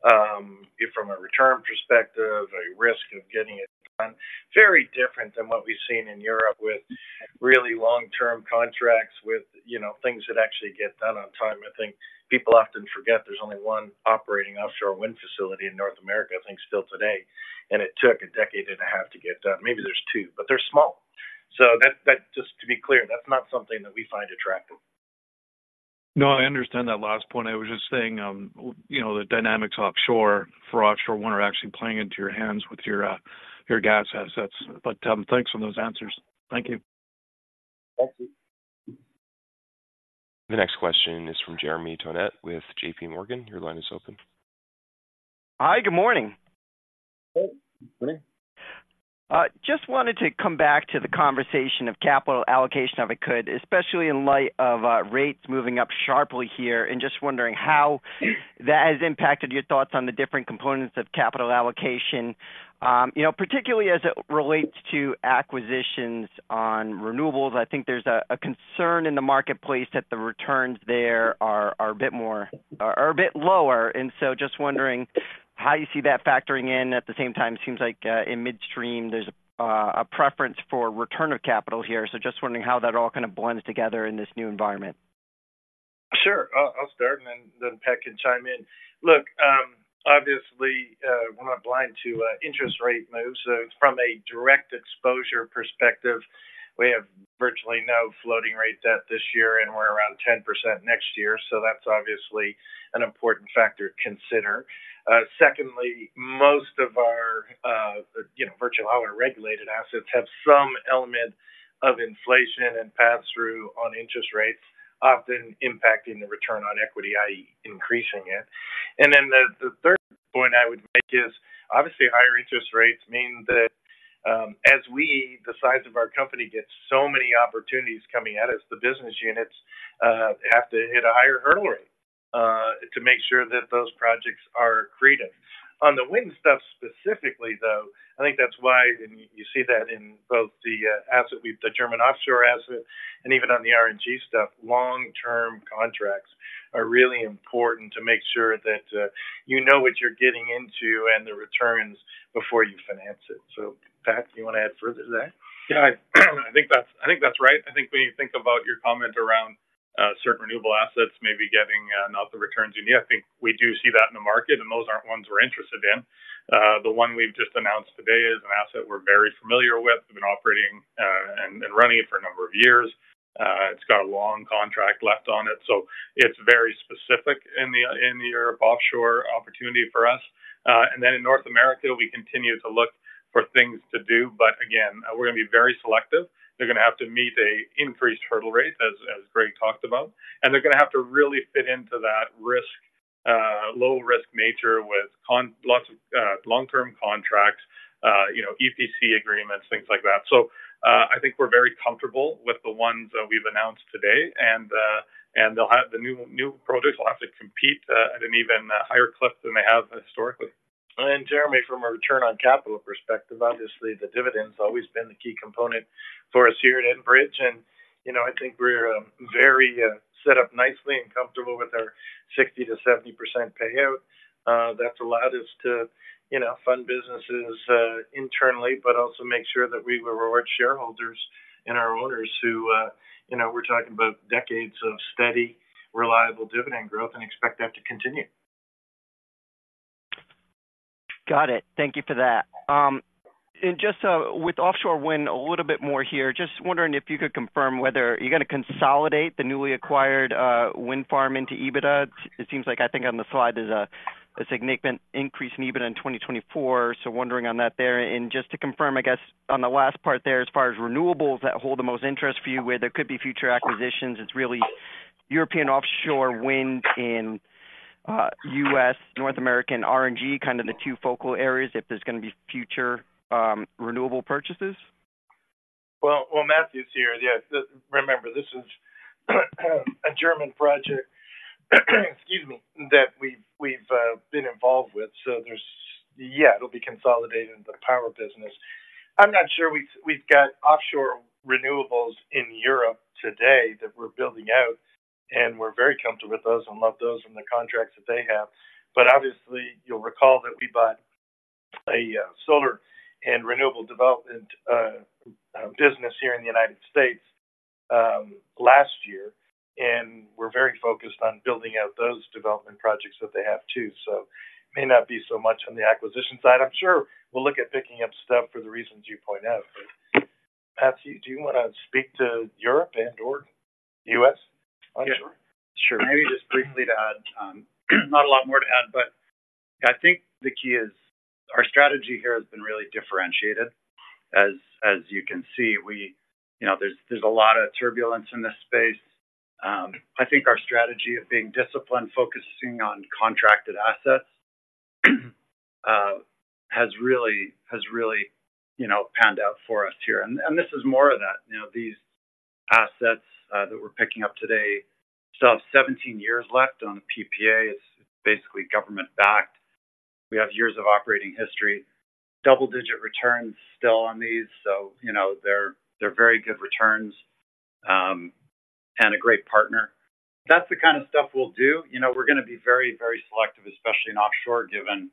from a return perspective, a risk of getting it done. Very different than what we've seen in Europe with really long-term contracts, with, you know, things that actually get done on time. I think people often forget there's only one operating offshore wind facility in North America, I think, still today, and it took a decade and a half to get done. Maybe there's two, but they're small. So that just to be clear, that's not something that we find attractive. No, I understand that last point. I was just saying, you know, the dynamics offshore, for offshore wind are actually playing into your hands with your, your gas assets. But, thanks for those answers. Thank you. Thank you. The next question is from Jeremy Tonet with JPMorgan. Your line is open. Hi, good morning. Hey, good morning. Just wanted to come back to the conversation of capital allocation, if I could, especially in light of rates moving up sharply here, and just wondering how that has impacted your thoughts on the different components of capital allocation. You know, particularly as it relates to acquisitions on renewables, I think there's a concern in the marketplace that the returns there are a bit lower. And so just wondering how you see that factoring in. At the same time, it seems like in midstream, there's a preference for return of capital here. So just wondering how that all kind of blends together in this new environment. Sure. I'll start, and then Pat can chime in. Look, obviously, we're not blind to interest rate moves. So from a direct exposure perspective, we have virtually no floating rate debt this year, and we're around 10% next year. So that's obviously an important factor to consider. Secondly, most of our, you know, virtually all our regulated assets have some element of inflation and pass-through on interest rates, often impacting the return on equity, i.e., increasing it. And then the third point I would make is, obviously, higher interest rates mean that, as we, the size of our company, gets so many opportunities coming at us, the business units have to hit a higher hurdle rate to make sure that those projects are accretive. On the wind stuff specifically, though, I think that's why, and you see that in both the asset, the German offshore asset and even on the RNG stuff, long-term contracts are really important to make sure that you know what you're getting into and the returns before you finance it. So, Pat, do you want to add further to that? Yeah, I think that's, I think that's right. I think when you think about your comment around certain renewable assets maybe getting not the returns you need, I think we do see that in the market, and those aren't ones we're interested in. The one we've just announced today is an asset we're very familiar with. We've been operating, and running it for a number of years.... It's got a long contract left on it, so it's very specific in the, in your offshore opportunity for us. And then in North America, we continue to look for things to do, but again, we're going to be very selective. They're going to have to meet an increased hurdle rate, as, as Greg talked about, and they're going to have to really fit into that risk, low-risk nature with lots of long-term contracts, you know, EPC agreements, things like that. So, I think we're very comfortable with the ones that we've announced today, and, and the new, new projects will have to compete at an even higher clip than they have historically. Jeremy, from a return on capital perspective, obviously, the dividend's always been the key component for us here at Enbridge. You know, I think we're very set up nicely and comfortable with our 60%-70% payout. That's allowed us to, you know, fund businesses internally, but also make sure that we reward shareholders and our owners who you know, we're talking about decades of steady, reliable dividend growth and expect that to continue. Got it. Thank you for that. And just, with offshore wind, a little bit more here. Just wondering if you could confirm whether you're going to consolidate the newly acquired wind farm into EBITDA. It seems like I think on the slide, there's a significant increase in EBITDA in 2024. So wondering on that there. And just to confirm, I guess, on the last part there, as far as renewables that hold the most interest for you, where there could be future acquisitions, it's really European offshore wind in U.S., North American RNG, kind of the two focal areas, if there's going to be future renewable purchases. Well, well, Matthew's here. Yes, remember, this is a German project, excuse me, that we've been involved with. So there's... Yeah, it'll be consolidated in the power business. I'm not sure we've got offshore renewables in Europe today that we're building out, and we're very comfortable with those and love those and the contracts that they have. But obviously, you'll recall that we bought a solar and renewable development business here in the United States last year, and we're very focused on building out those development projects that they have, too. So may not be so much on the acquisition side. I'm sure we'll look at picking up stuff for the reasons you point out. But Matthew, do you want to speak to Europe and/or U.S.? Yeah, sure. Maybe just briefly to add, not a lot more to add, but I think the key is our strategy here has been really differentiated. As you can see, we—you know, there's a lot of turbulence in this space. I think our strategy of being disciplined, focusing on contracted assets, has really, you know, panned out for us here. And this is more of that. You know, these assets that we're picking up today still have 17 years left on the PPA. It's basically government-backed. We have years of operating history, double-digit returns still on these. So, you know, they're very good returns and a great partner. That's the kind of stuff we'll do. You know, we're going to be very, very selective, especially in offshore, given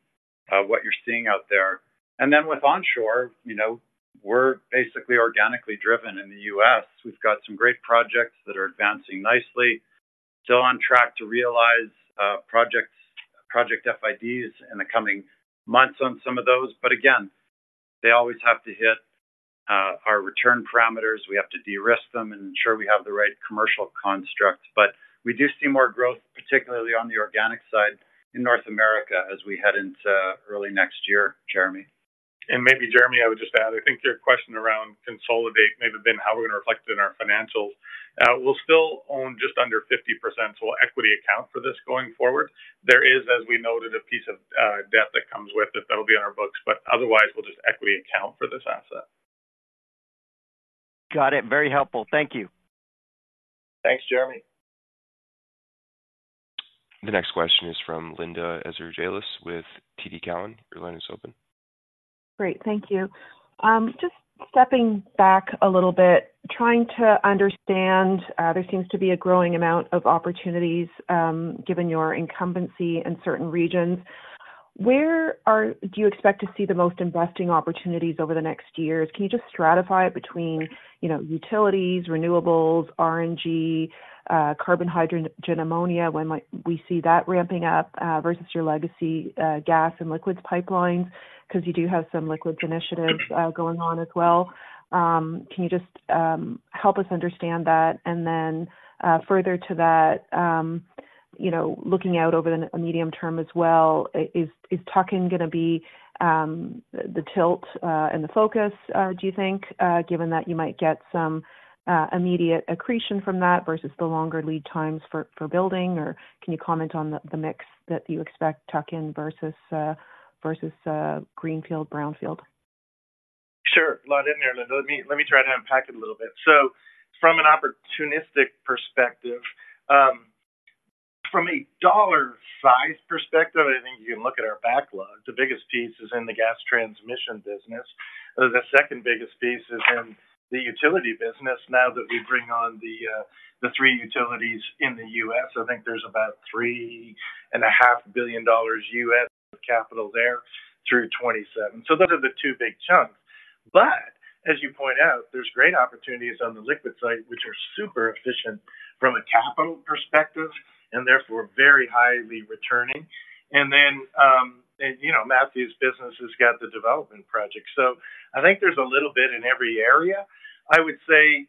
what you're seeing out there. And then with onshore, you know, we're basically organically driven in the U.S. We've got some great projects that are advancing nicely, still on track to realize project FIDs in the coming months on some of those. But again, they always have to hit our return parameters. We have to de-risk them and ensure we have the right commercial construct. But we do see more growth, particularly on the organic side in North America, as we head into early next year, Jeremy. And maybe Jeremy, I would just add, I think your question around consolidation, maybe Ben, how we're going to reflect it in our financials. We'll still own just under 50%, so we'll equity account for this going forward. There is, as we noted, a piece of debt that comes with it. That'll be on our books, but otherwise, we'll just equity account for this asset. Got it. Very helpful. Thank you. Thanks, Jeremy. The next question is from Linda Ezergailis with TD Cowen. Your line is open. Great. Thank you. Just stepping back a little bit, trying to understand, there seems to be a growing amount of opportunities, given your incumbency in certain regions. Where do you expect to see the most investing opportunities over the next years? Can you just stratify it between, you know, utilities, renewables, RNG, carbon hydrogen, ammonia, when might we see that ramping up, versus your legacy, gas and liquids pipelines? Because you do have some liquids initiatives, going on as well. Can you just help us understand that? And then, further to that, you know, looking out over the medium term as well, is tuck-in going to be the tilt and the focus, do you think, given that you might get some immediate accretion from that versus the longer lead times for building? Or can you comment on the mix that you expect tuck-in versus greenfield, brownfield? Sure. A lot in there, Linda. Let me try to unpack it a little bit. So from an opportunistic perspective, from a dollar size perspective, I think you can look at our backlog. The biggest piece is in the gas transmission business. The second biggest piece is in the utility business. Now that we bring on the three utilities in the U.S., I think there's about 3.5 billion dollars U.S. capital there through 2027. So those are the two big chunks. But as you point out, there's great opportunities on the liquid side, which are super efficient, and therefore very highly returning. And then, and, you know, Matthew's business has got the development project. So I think there's a little bit in every area. I would say,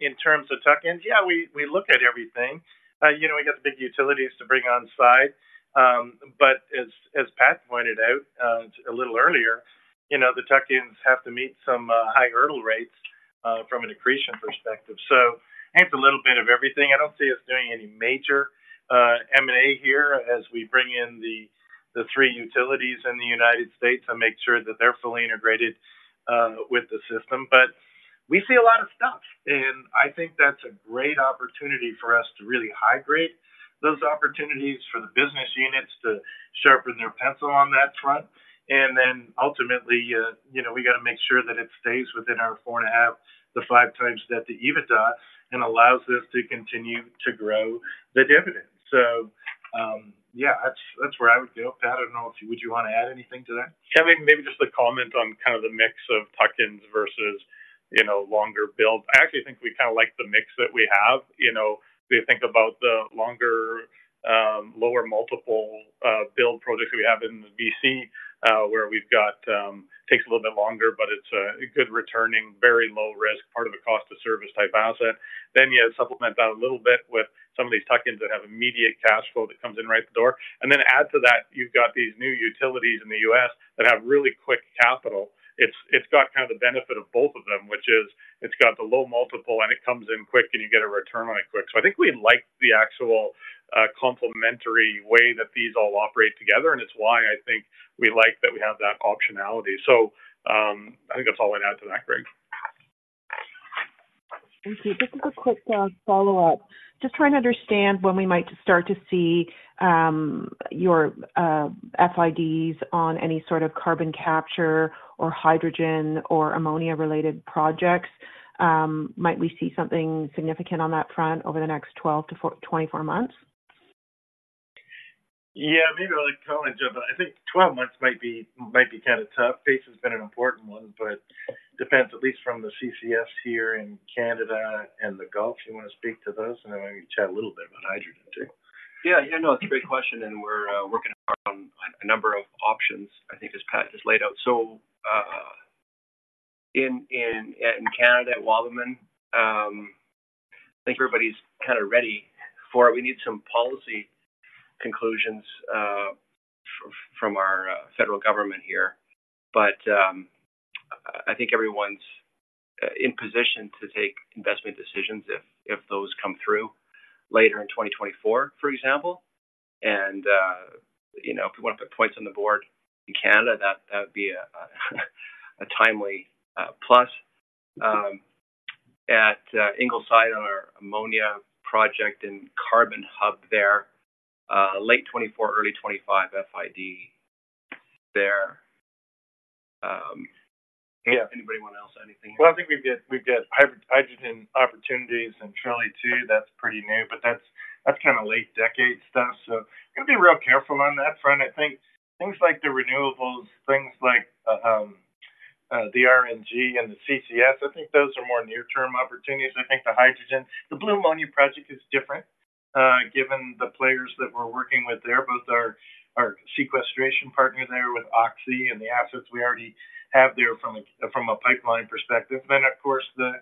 in terms of tuck-ins, yeah, we look at everything. You know, we got the big utilities to bring on side. But as Pat pointed out, a little earlier, you know, the tuck-ins have to meet some high hurdle rates, from an accretion perspective. So I think it's a little bit of everything. I don't see us doing any major M&A here as we bring in the three utilities in the United States to make sure that they're fully integrated with the system. But we see a lot of stuff, and I think that's a great opportunity for us to really [hydrate] those opportunities for the business units to sharpen their pencil on that front. And then ultimately, you know, we got to make sure that it stays within our 4.5-5x debt to EBITDA and allows us to continue to grow the dividend. So, yeah, that's where I would go. Pat, I don't know if you would want to add anything to that? Yeah, maybe, maybe just a comment on kind of the mix of tuck-ins versus, you know, longer build. I actually think we kind of like the mix that we have. You know, we think about the longer, lower multiple, build projects that we have in BC, where we've got, takes a little bit longer, but it's a, a good returning, very low risk, part of a cost of service type asset. Then you supplement that a little bit with some of these tuck-ins that have immediate cash flow that comes in right the door. And then add to that, you've got these new utilities in the U.S. that have really quick capital. It's, it's got kind of the benefit of both of them, which is it's got the low multiple, and it comes in quick, and you get a return on it quick. So I think we like the actual, complementary way that these all operate together, and it's why I think we like that we have that optionality. So, I think that's all I add to that, Greg. Thank you. Just a quick follow-up. Just trying to understand when we might start to see your FIDs on any sort of carbon capture or hydrogen or ammonia-related projects. Might we see something significant on that front over the next 12-24 months? Yeah, maybe I'll comment, Joe, but I think 12 months might be, might be kind of tough. Pace has been an important one, but depends, at least from the CCS here in Canada and the Gulf. You want to speak to those, and then maybe chat a little bit about hydrogen, too. Yeah, you know, it's a great question, and we're working on a number of options. I think as Pat just laid out. So, in Canada, at [Waldiman], I think everybody's kind of ready for it. We need some policy conclusions from our federal government here. But, I think everyone's in position to take investment decisions if those come through later in 2024, for example. And, you know, if we want to put points on the board in Canada, that would be a timely plus. At Ingleside, on our ammonia project and carbon hub there, late 2024, early 2025 FID there. Anybody want to else anything? Well, I think we've got, we've got hydrogen opportunities in Chile, too. That's pretty new, but that's, that's kind of late decade stuff, so going to be real careful on that front. I think things like the renewables, things like, the RNG and the CCS, I think those are more near-term opportunities. I think the hydrogen, the blue ammonia project is different, given the players that we're working with there, both our, our sequestration partner there with Oxy and the assets we already have there from a, from a pipeline perspective. Then, of course, the,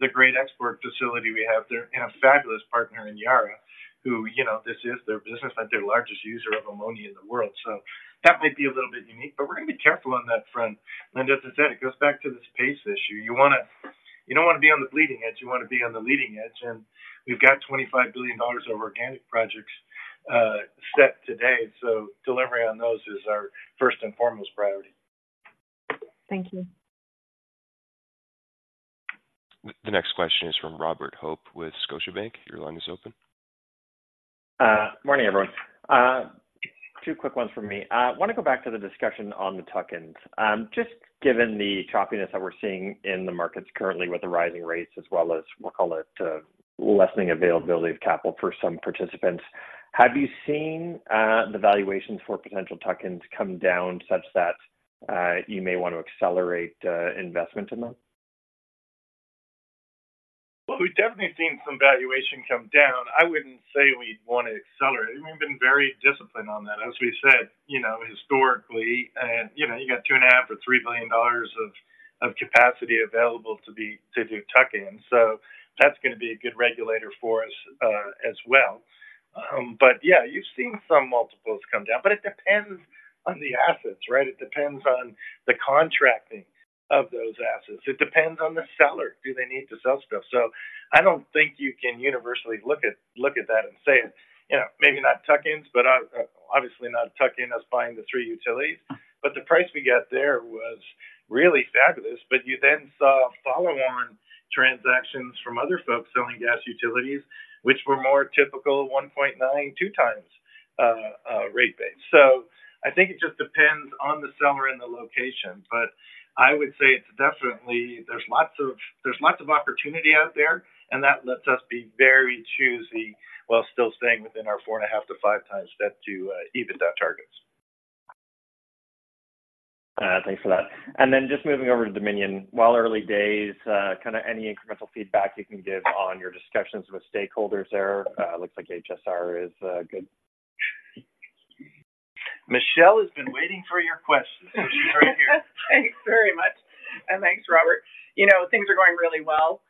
the great export facility we have there, and a fabulous partner in Yara, who, you know, this is their business and their largest user of ammonia in the world. So that might be a little bit unique, but we're going to be careful on that front. As I said, it goes back to this pace issue. You want to— You don't want to be on the bleeding edge, you want to be on the leading edge. We've got 25 billion dollars of organic projects set today, so delivery on those is our first and foremost priority. Thank you. The next question is from Robert Hope with Scotiabank. Your line is open. Morning, everyone. Two quick ones from me. I want to go back to the discussion on the tuck-ins. Just given the choppiness that we're seeing in the markets currently with the rising rates, as well as we'll call it, lessening availability of capital for some participants, have you seen, the valuations for potential tuck-ins come down such that, you may want to accelerate, investment in them? Well, we've definitely seen some valuation come down. I wouldn't say we'd want to accelerate. We've been very disciplined on that, as we said, you know, historically, and, you know, you got 2.5 billion or 3 billion dollars of capacity available to do tuck-ins. So that's going to be a good regulator for us, as well. But yeah, you've seen some multiples come down, but it depends on the assets, right? It depends on the contracting of those assets. It depends on the seller. Do they need to sell stuff? So I don't think you can universally look at that and say, you know, maybe not tuck-ins, but, obviously not a tuck-in as buying the three utilities. But the price we got there was really fabulous. But you then saw follow-on transactions from other folks selling gas utilities, which were more typical, 1.9x-2x rate base. So I think it just depends on the seller and the location, but I would say it's definitely—there's lots of, there's lots of opportunity out there, and that lets us be very choosy while still staying within our 4.5-5x debt-to-EBITDA targets. ...Thanks for that. And then just moving over to Dominion Energy. While early days, kind of any incremental feedback you can give on your discussions with stakeholders there? Looks like HSR is good. Michele has been waiting for your question, so she's right here. Thanks very much, and thanks, Robert. You know, things are going really well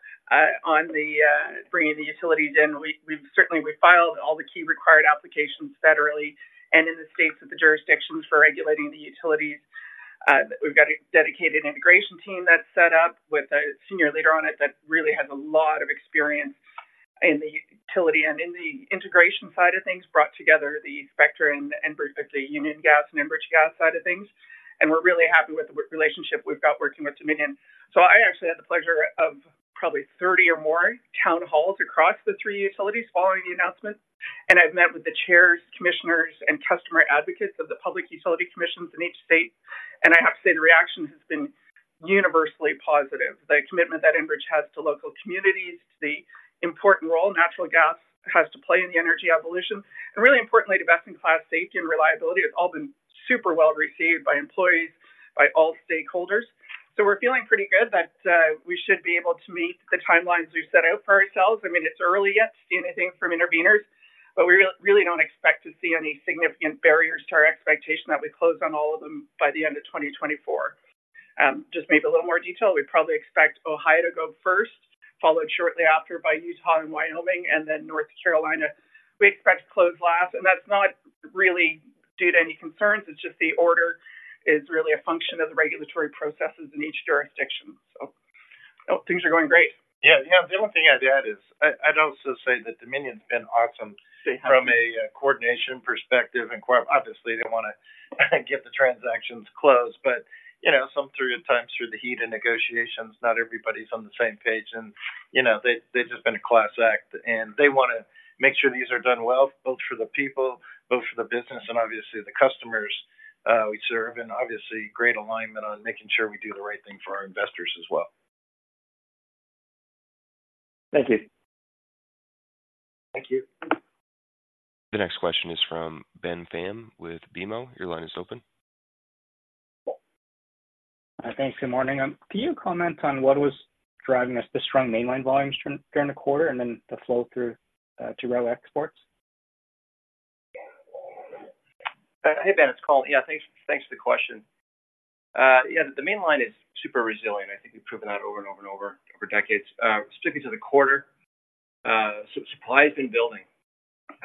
on the bringing the utilities in. We've certainly filed all the key required applications federally and in the states of the jurisdictions for regulating the utilities. We've got a dedicated integration team that's set up with a senior leader on it that really has a lot of experience in the utility and in the integration side of things, brought together the Spectra and the Union Gas and Enbridge Gas side of things. And we're really happy with the relationship we've got working with Dominion. So I actually had the pleasure of probably 30 or more town halls across the three utilities following the announcement, and I've met with the chairs, commissioners, and customer advocates of the public utility commissions in each state. I have to say, the reaction has been universally positive. The commitment that Enbridge has to local communities, to the important role natural gas has to play in the energy evolution, and really importantly, the best-in-class safety and reliability, has all been super well received by employees, by all stakeholders. We're feeling pretty good that we should be able to meet the timelines we've set out for ourselves. I mean, it's early yet to see anything from interveners, but we really don't expect to see any significant barriers to our expectation that we close on all of them by the end of 2024. Just maybe a little more detail. We probably expect Ohio to go first, followed shortly after by Utah and Wyoming, and then North Carolina. We expect to close last, and that's not really due to any concerns. It's just the order is really a function of the regulatory processes in each jurisdiction. Things are going great. Yeah. Yeah. The only thing I'd add is I'd also say that Dominion's been awesome- They have. From a coordination perspective, and quite obviously, they want to get the transactions closed. But, you know, sometimes through the heat of negotiations, not everybody's on the same page and, you know, they, they've just been a class act, and they want to make sure these are done well, both for the people, both for the business, and obviously the customers we serve, and obviously great alignment on making sure we do the right thing for our investors as well. Thank you. Thank you. The next question is from Ben Pham with BMO. Your line is open. Thanks. Good morning. Can you comment on what was driving the strong Mainline volumes during the quarter and then the flow through to rail exports? Hey, Ben, it's Colin. Yeah, thanks, thanks for the question. Yeah, the Mainline is super resilient. I think we've proven that over and over and over for decades. Sticking to the quarter, so supply has been building.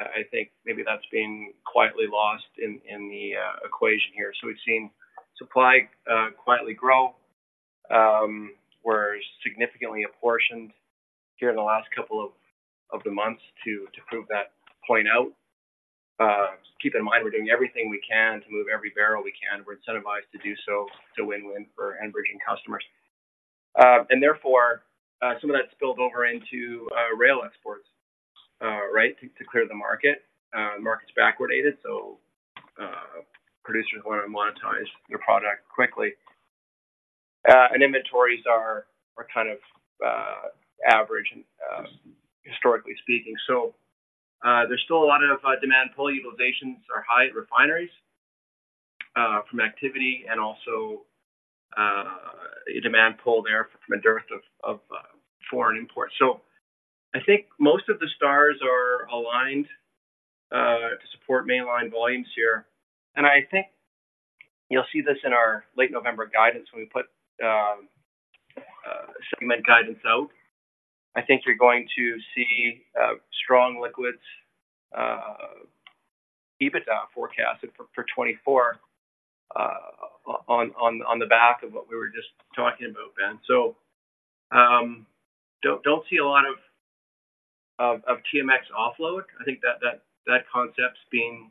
I think maybe that's been quietly lost in the equation here. So we've seen supply quietly grow. We're significantly apportioned here in the last couple of the months to prove that point out. Keep in mind, we're doing everything we can to move every barrel we can. We're incentivized to do so, it's a win-win for Enbridge and customers. And therefore, some of that spilled over into rail exports, right, to clear the market. The market's backwardated, so producers want to monetize their product quickly. And inventories are kind of average, historically speaking. So, there's still a lot of demand. Pull utilizations are high at refineries, from activity and also a demand pull there from a dearth of foreign imports. So I think most of the stars are aligned to support Mainline volumes here, and I think you'll see this in our late November guidance when we put segment guidance out. I think you're going to see strong liquids EBITDA forecasted for 2024 on the back of what we were just talking about, Ben. So, don't see a lot of TMX offload. I think that concept's being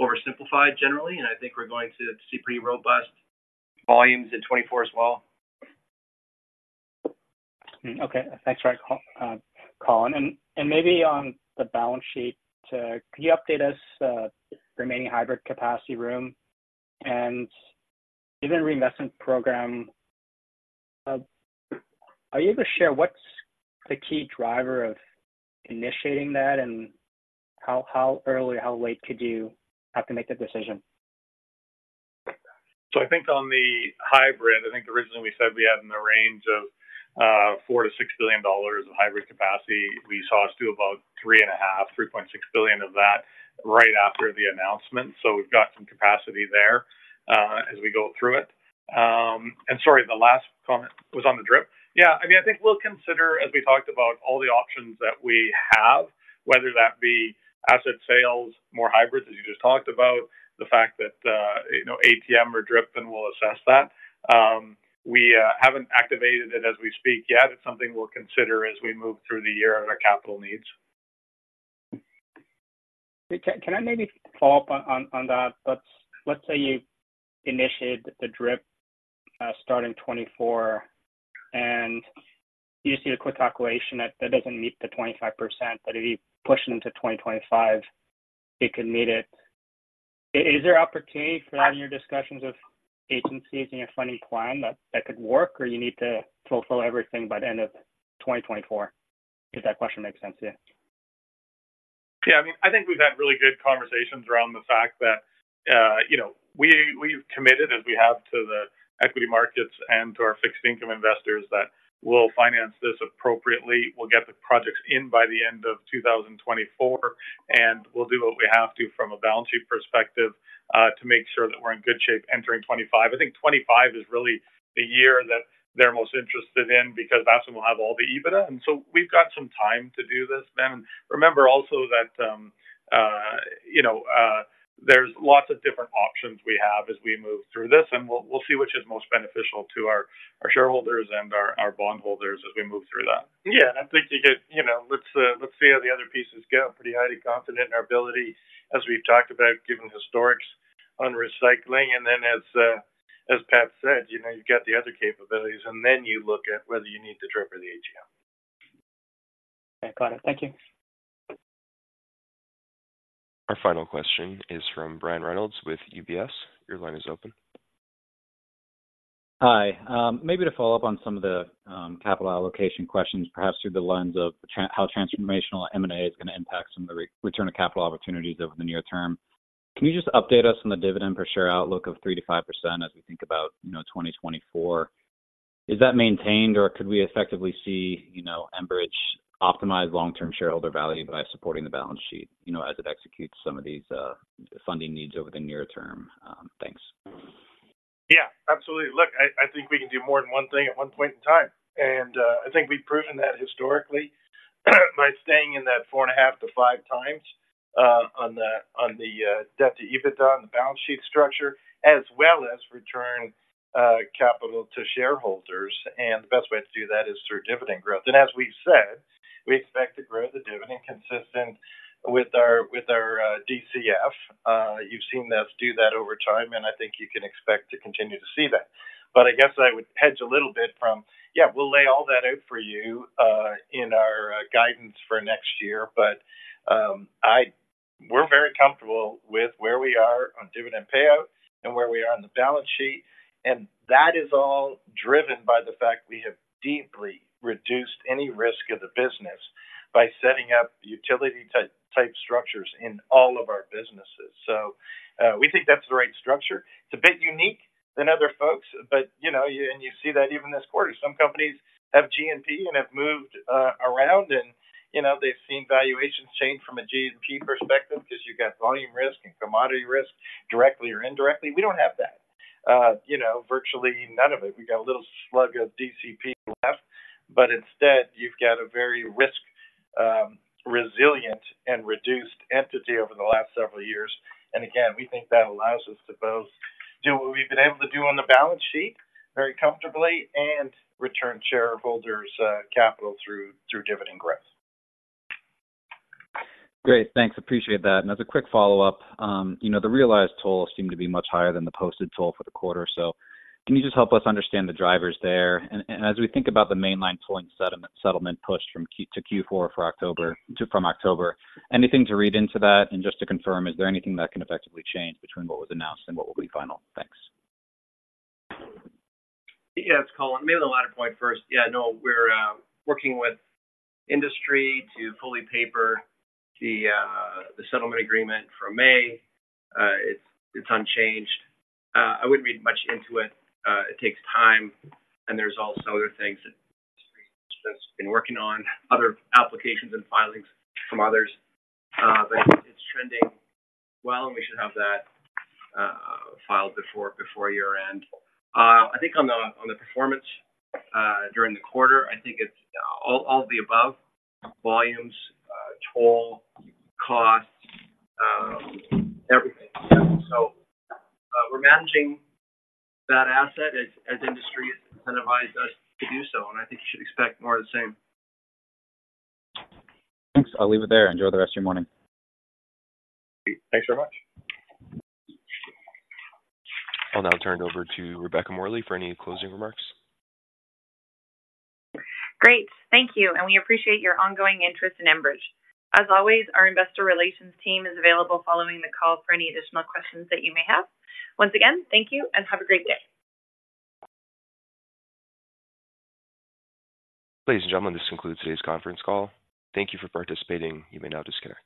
oversimplified generally, and I think we're going to see pretty robust volumes in 2024 as well. Okay. Thanks. Right, Colin. And maybe on the balance sheet, can you update us, remaining hybrid capacity room and given reinvestment program, are you able to share what's the key driver of initiating that, and how early, how late could you have to make that decision? So I think on the hybrid, I think originally we said we had in the range of 4 billion-6 billion dollars of hybrid capacity. We saw us do about 3.5 billion-3.6 billion of that right after the announcement. So we've got some capacity there, as we go through it. And sorry, the last comment was on the DRIP. Yeah, I mean, I think we'll consider, as we talked about, all the options that we have, whether that be asset sales, more hybrids, as you just talked about, the fact that, you know, ATM or DRIP, and we'll assess that. We haven't activated it as we speak yet. It's something we'll consider as we move through the year on our capital needs. Can I maybe follow up on that? Let's say you initiate the DRIP starting 2024, and you see a quick calculation that doesn't meet the 25%, but if you push it into 2025, it could meet it. Is there opportunity for that in your discussions with agencies and your funding plan that that could work, or you need to fulfill everything by the end of 2024? If that question makes sense, yeah.... Yeah, I mean, I think we've had really good conversations around the fact that, you know, we, we've committed, as we have to the equity markets and to our fixed income investors, that we'll finance this appropriately. We'll get the projects in by the end of 2024, and we'll do what we have to from a balance sheet perspective, to make sure that we're in good shape entering 2025. I think 2025 is really the year that they're most interested in, because that's when we'll have all the EBITDA. And so we've got some time to do this then. Remember also that, you know, there's lots of different options we have as we move through this, and we'll, we'll see which is most beneficial to our, our shareholders and our, our bondholders as we move through that. Yeah, and I think, you get, you know, let's see how the other pieces go. Pretty highly confident in our ability, as we've talked about, given historics on recycling. And then as Pat said, you know, you've got the other capabilities, and then you look at whether you need the DRIP or the ATM. Yeah, got it. Thank you. Our final question is from Brian Reynolds with UBS. Your line is open. Hi. Maybe to follow up on some of the capital allocation questions, perhaps through the lens of transformational M&A is going to impact some of the return on capital opportunities over the near term. Can you just update us on the dividend per share outlook of 3%-5% as we think about, you know, 2024? Is that maintained, or could we effectively see, you know, Enbridge optimize long-term shareholder value by supporting the balance sheet, you know, as it executes some of these funding needs over the near term? Thanks. Yeah, absolutely. Look, I think we can do more than one thing at one point in time, and I think we've proven that historically by staying in that 4.5x-5x on the debt to EBITDA and the balance sheet structure, as well as return capital to shareholders. And the best way to do that is through dividend growth. And as we've said, we expect to grow the dividend consistent with our DCF. You've seen us do that over time, and I think you can expect to continue to see that. But I guess I would hedge a little bit from, yeah, we'll lay all that out for you in our guidance for next year. But we're very comfortable with where we are on dividend payout and where we are on the balance sheet, and that is all driven by the fact we have deeply reduced any risk of the business by setting up utility type structures in all of our businesses. So we think that's the right structure. It's a bit unique than other folks, but you know and you see that even this quarter, some companies have G&P and have moved around and you know they've seen valuations change from a G&P perspective, because you've got volume risk and commodity risk directly or indirectly. We don't have that. You know virtually none of it. We got a little slug of DCP left, but instead you've got a very risk resilient and reduced entity over the last several years. And again, we think that allows us to both do what we've been able to do on the balance sheet very comfortably and return shareholders capital through dividend growth. Great, thanks. Appreciate that. And as a quick follow-up, you know, the realized toll seemed to be much higher than the posted toll for the quarter. So can you just help us understand the drivers there? And, and as we think about the Mainline tolling settlement, settlement push from Q-- to Q4 for October, to from October, anything to read into that? And just to confirm, is there anything that can effectively change between what was announced and what will be final? Thanks. Yeah, it's Colin. Maybe the latter point first. Yeah, no, we're working with industry to fully paper the settlement agreement from May. It's unchanged. I wouldn't read much into it. It takes time, and there's also other things that been working on, other applications and filings from others. But it's trending well, and we should have that filed before year-end. I think on the performance during the quarter, I think it's all the above: volumes, toll costs, everything. So, we're managing that asset as industry has incentivized us to do so, and I think you should expect more of the same. Thanks. I'll leave it there. Enjoy the rest of your morning. Thanks very much. I'll now turn it over to Rebecca Morley for any closing remarks. Great. Thank you, and we appreciate your ongoing interest in Enbridge. As always, our investor relations team is available following the call for any additional questions that you may have. Once again, thank you, and have a great day. Ladies and gentlemen, this concludes today's conference call. Thank you for participating. You may now disconnect.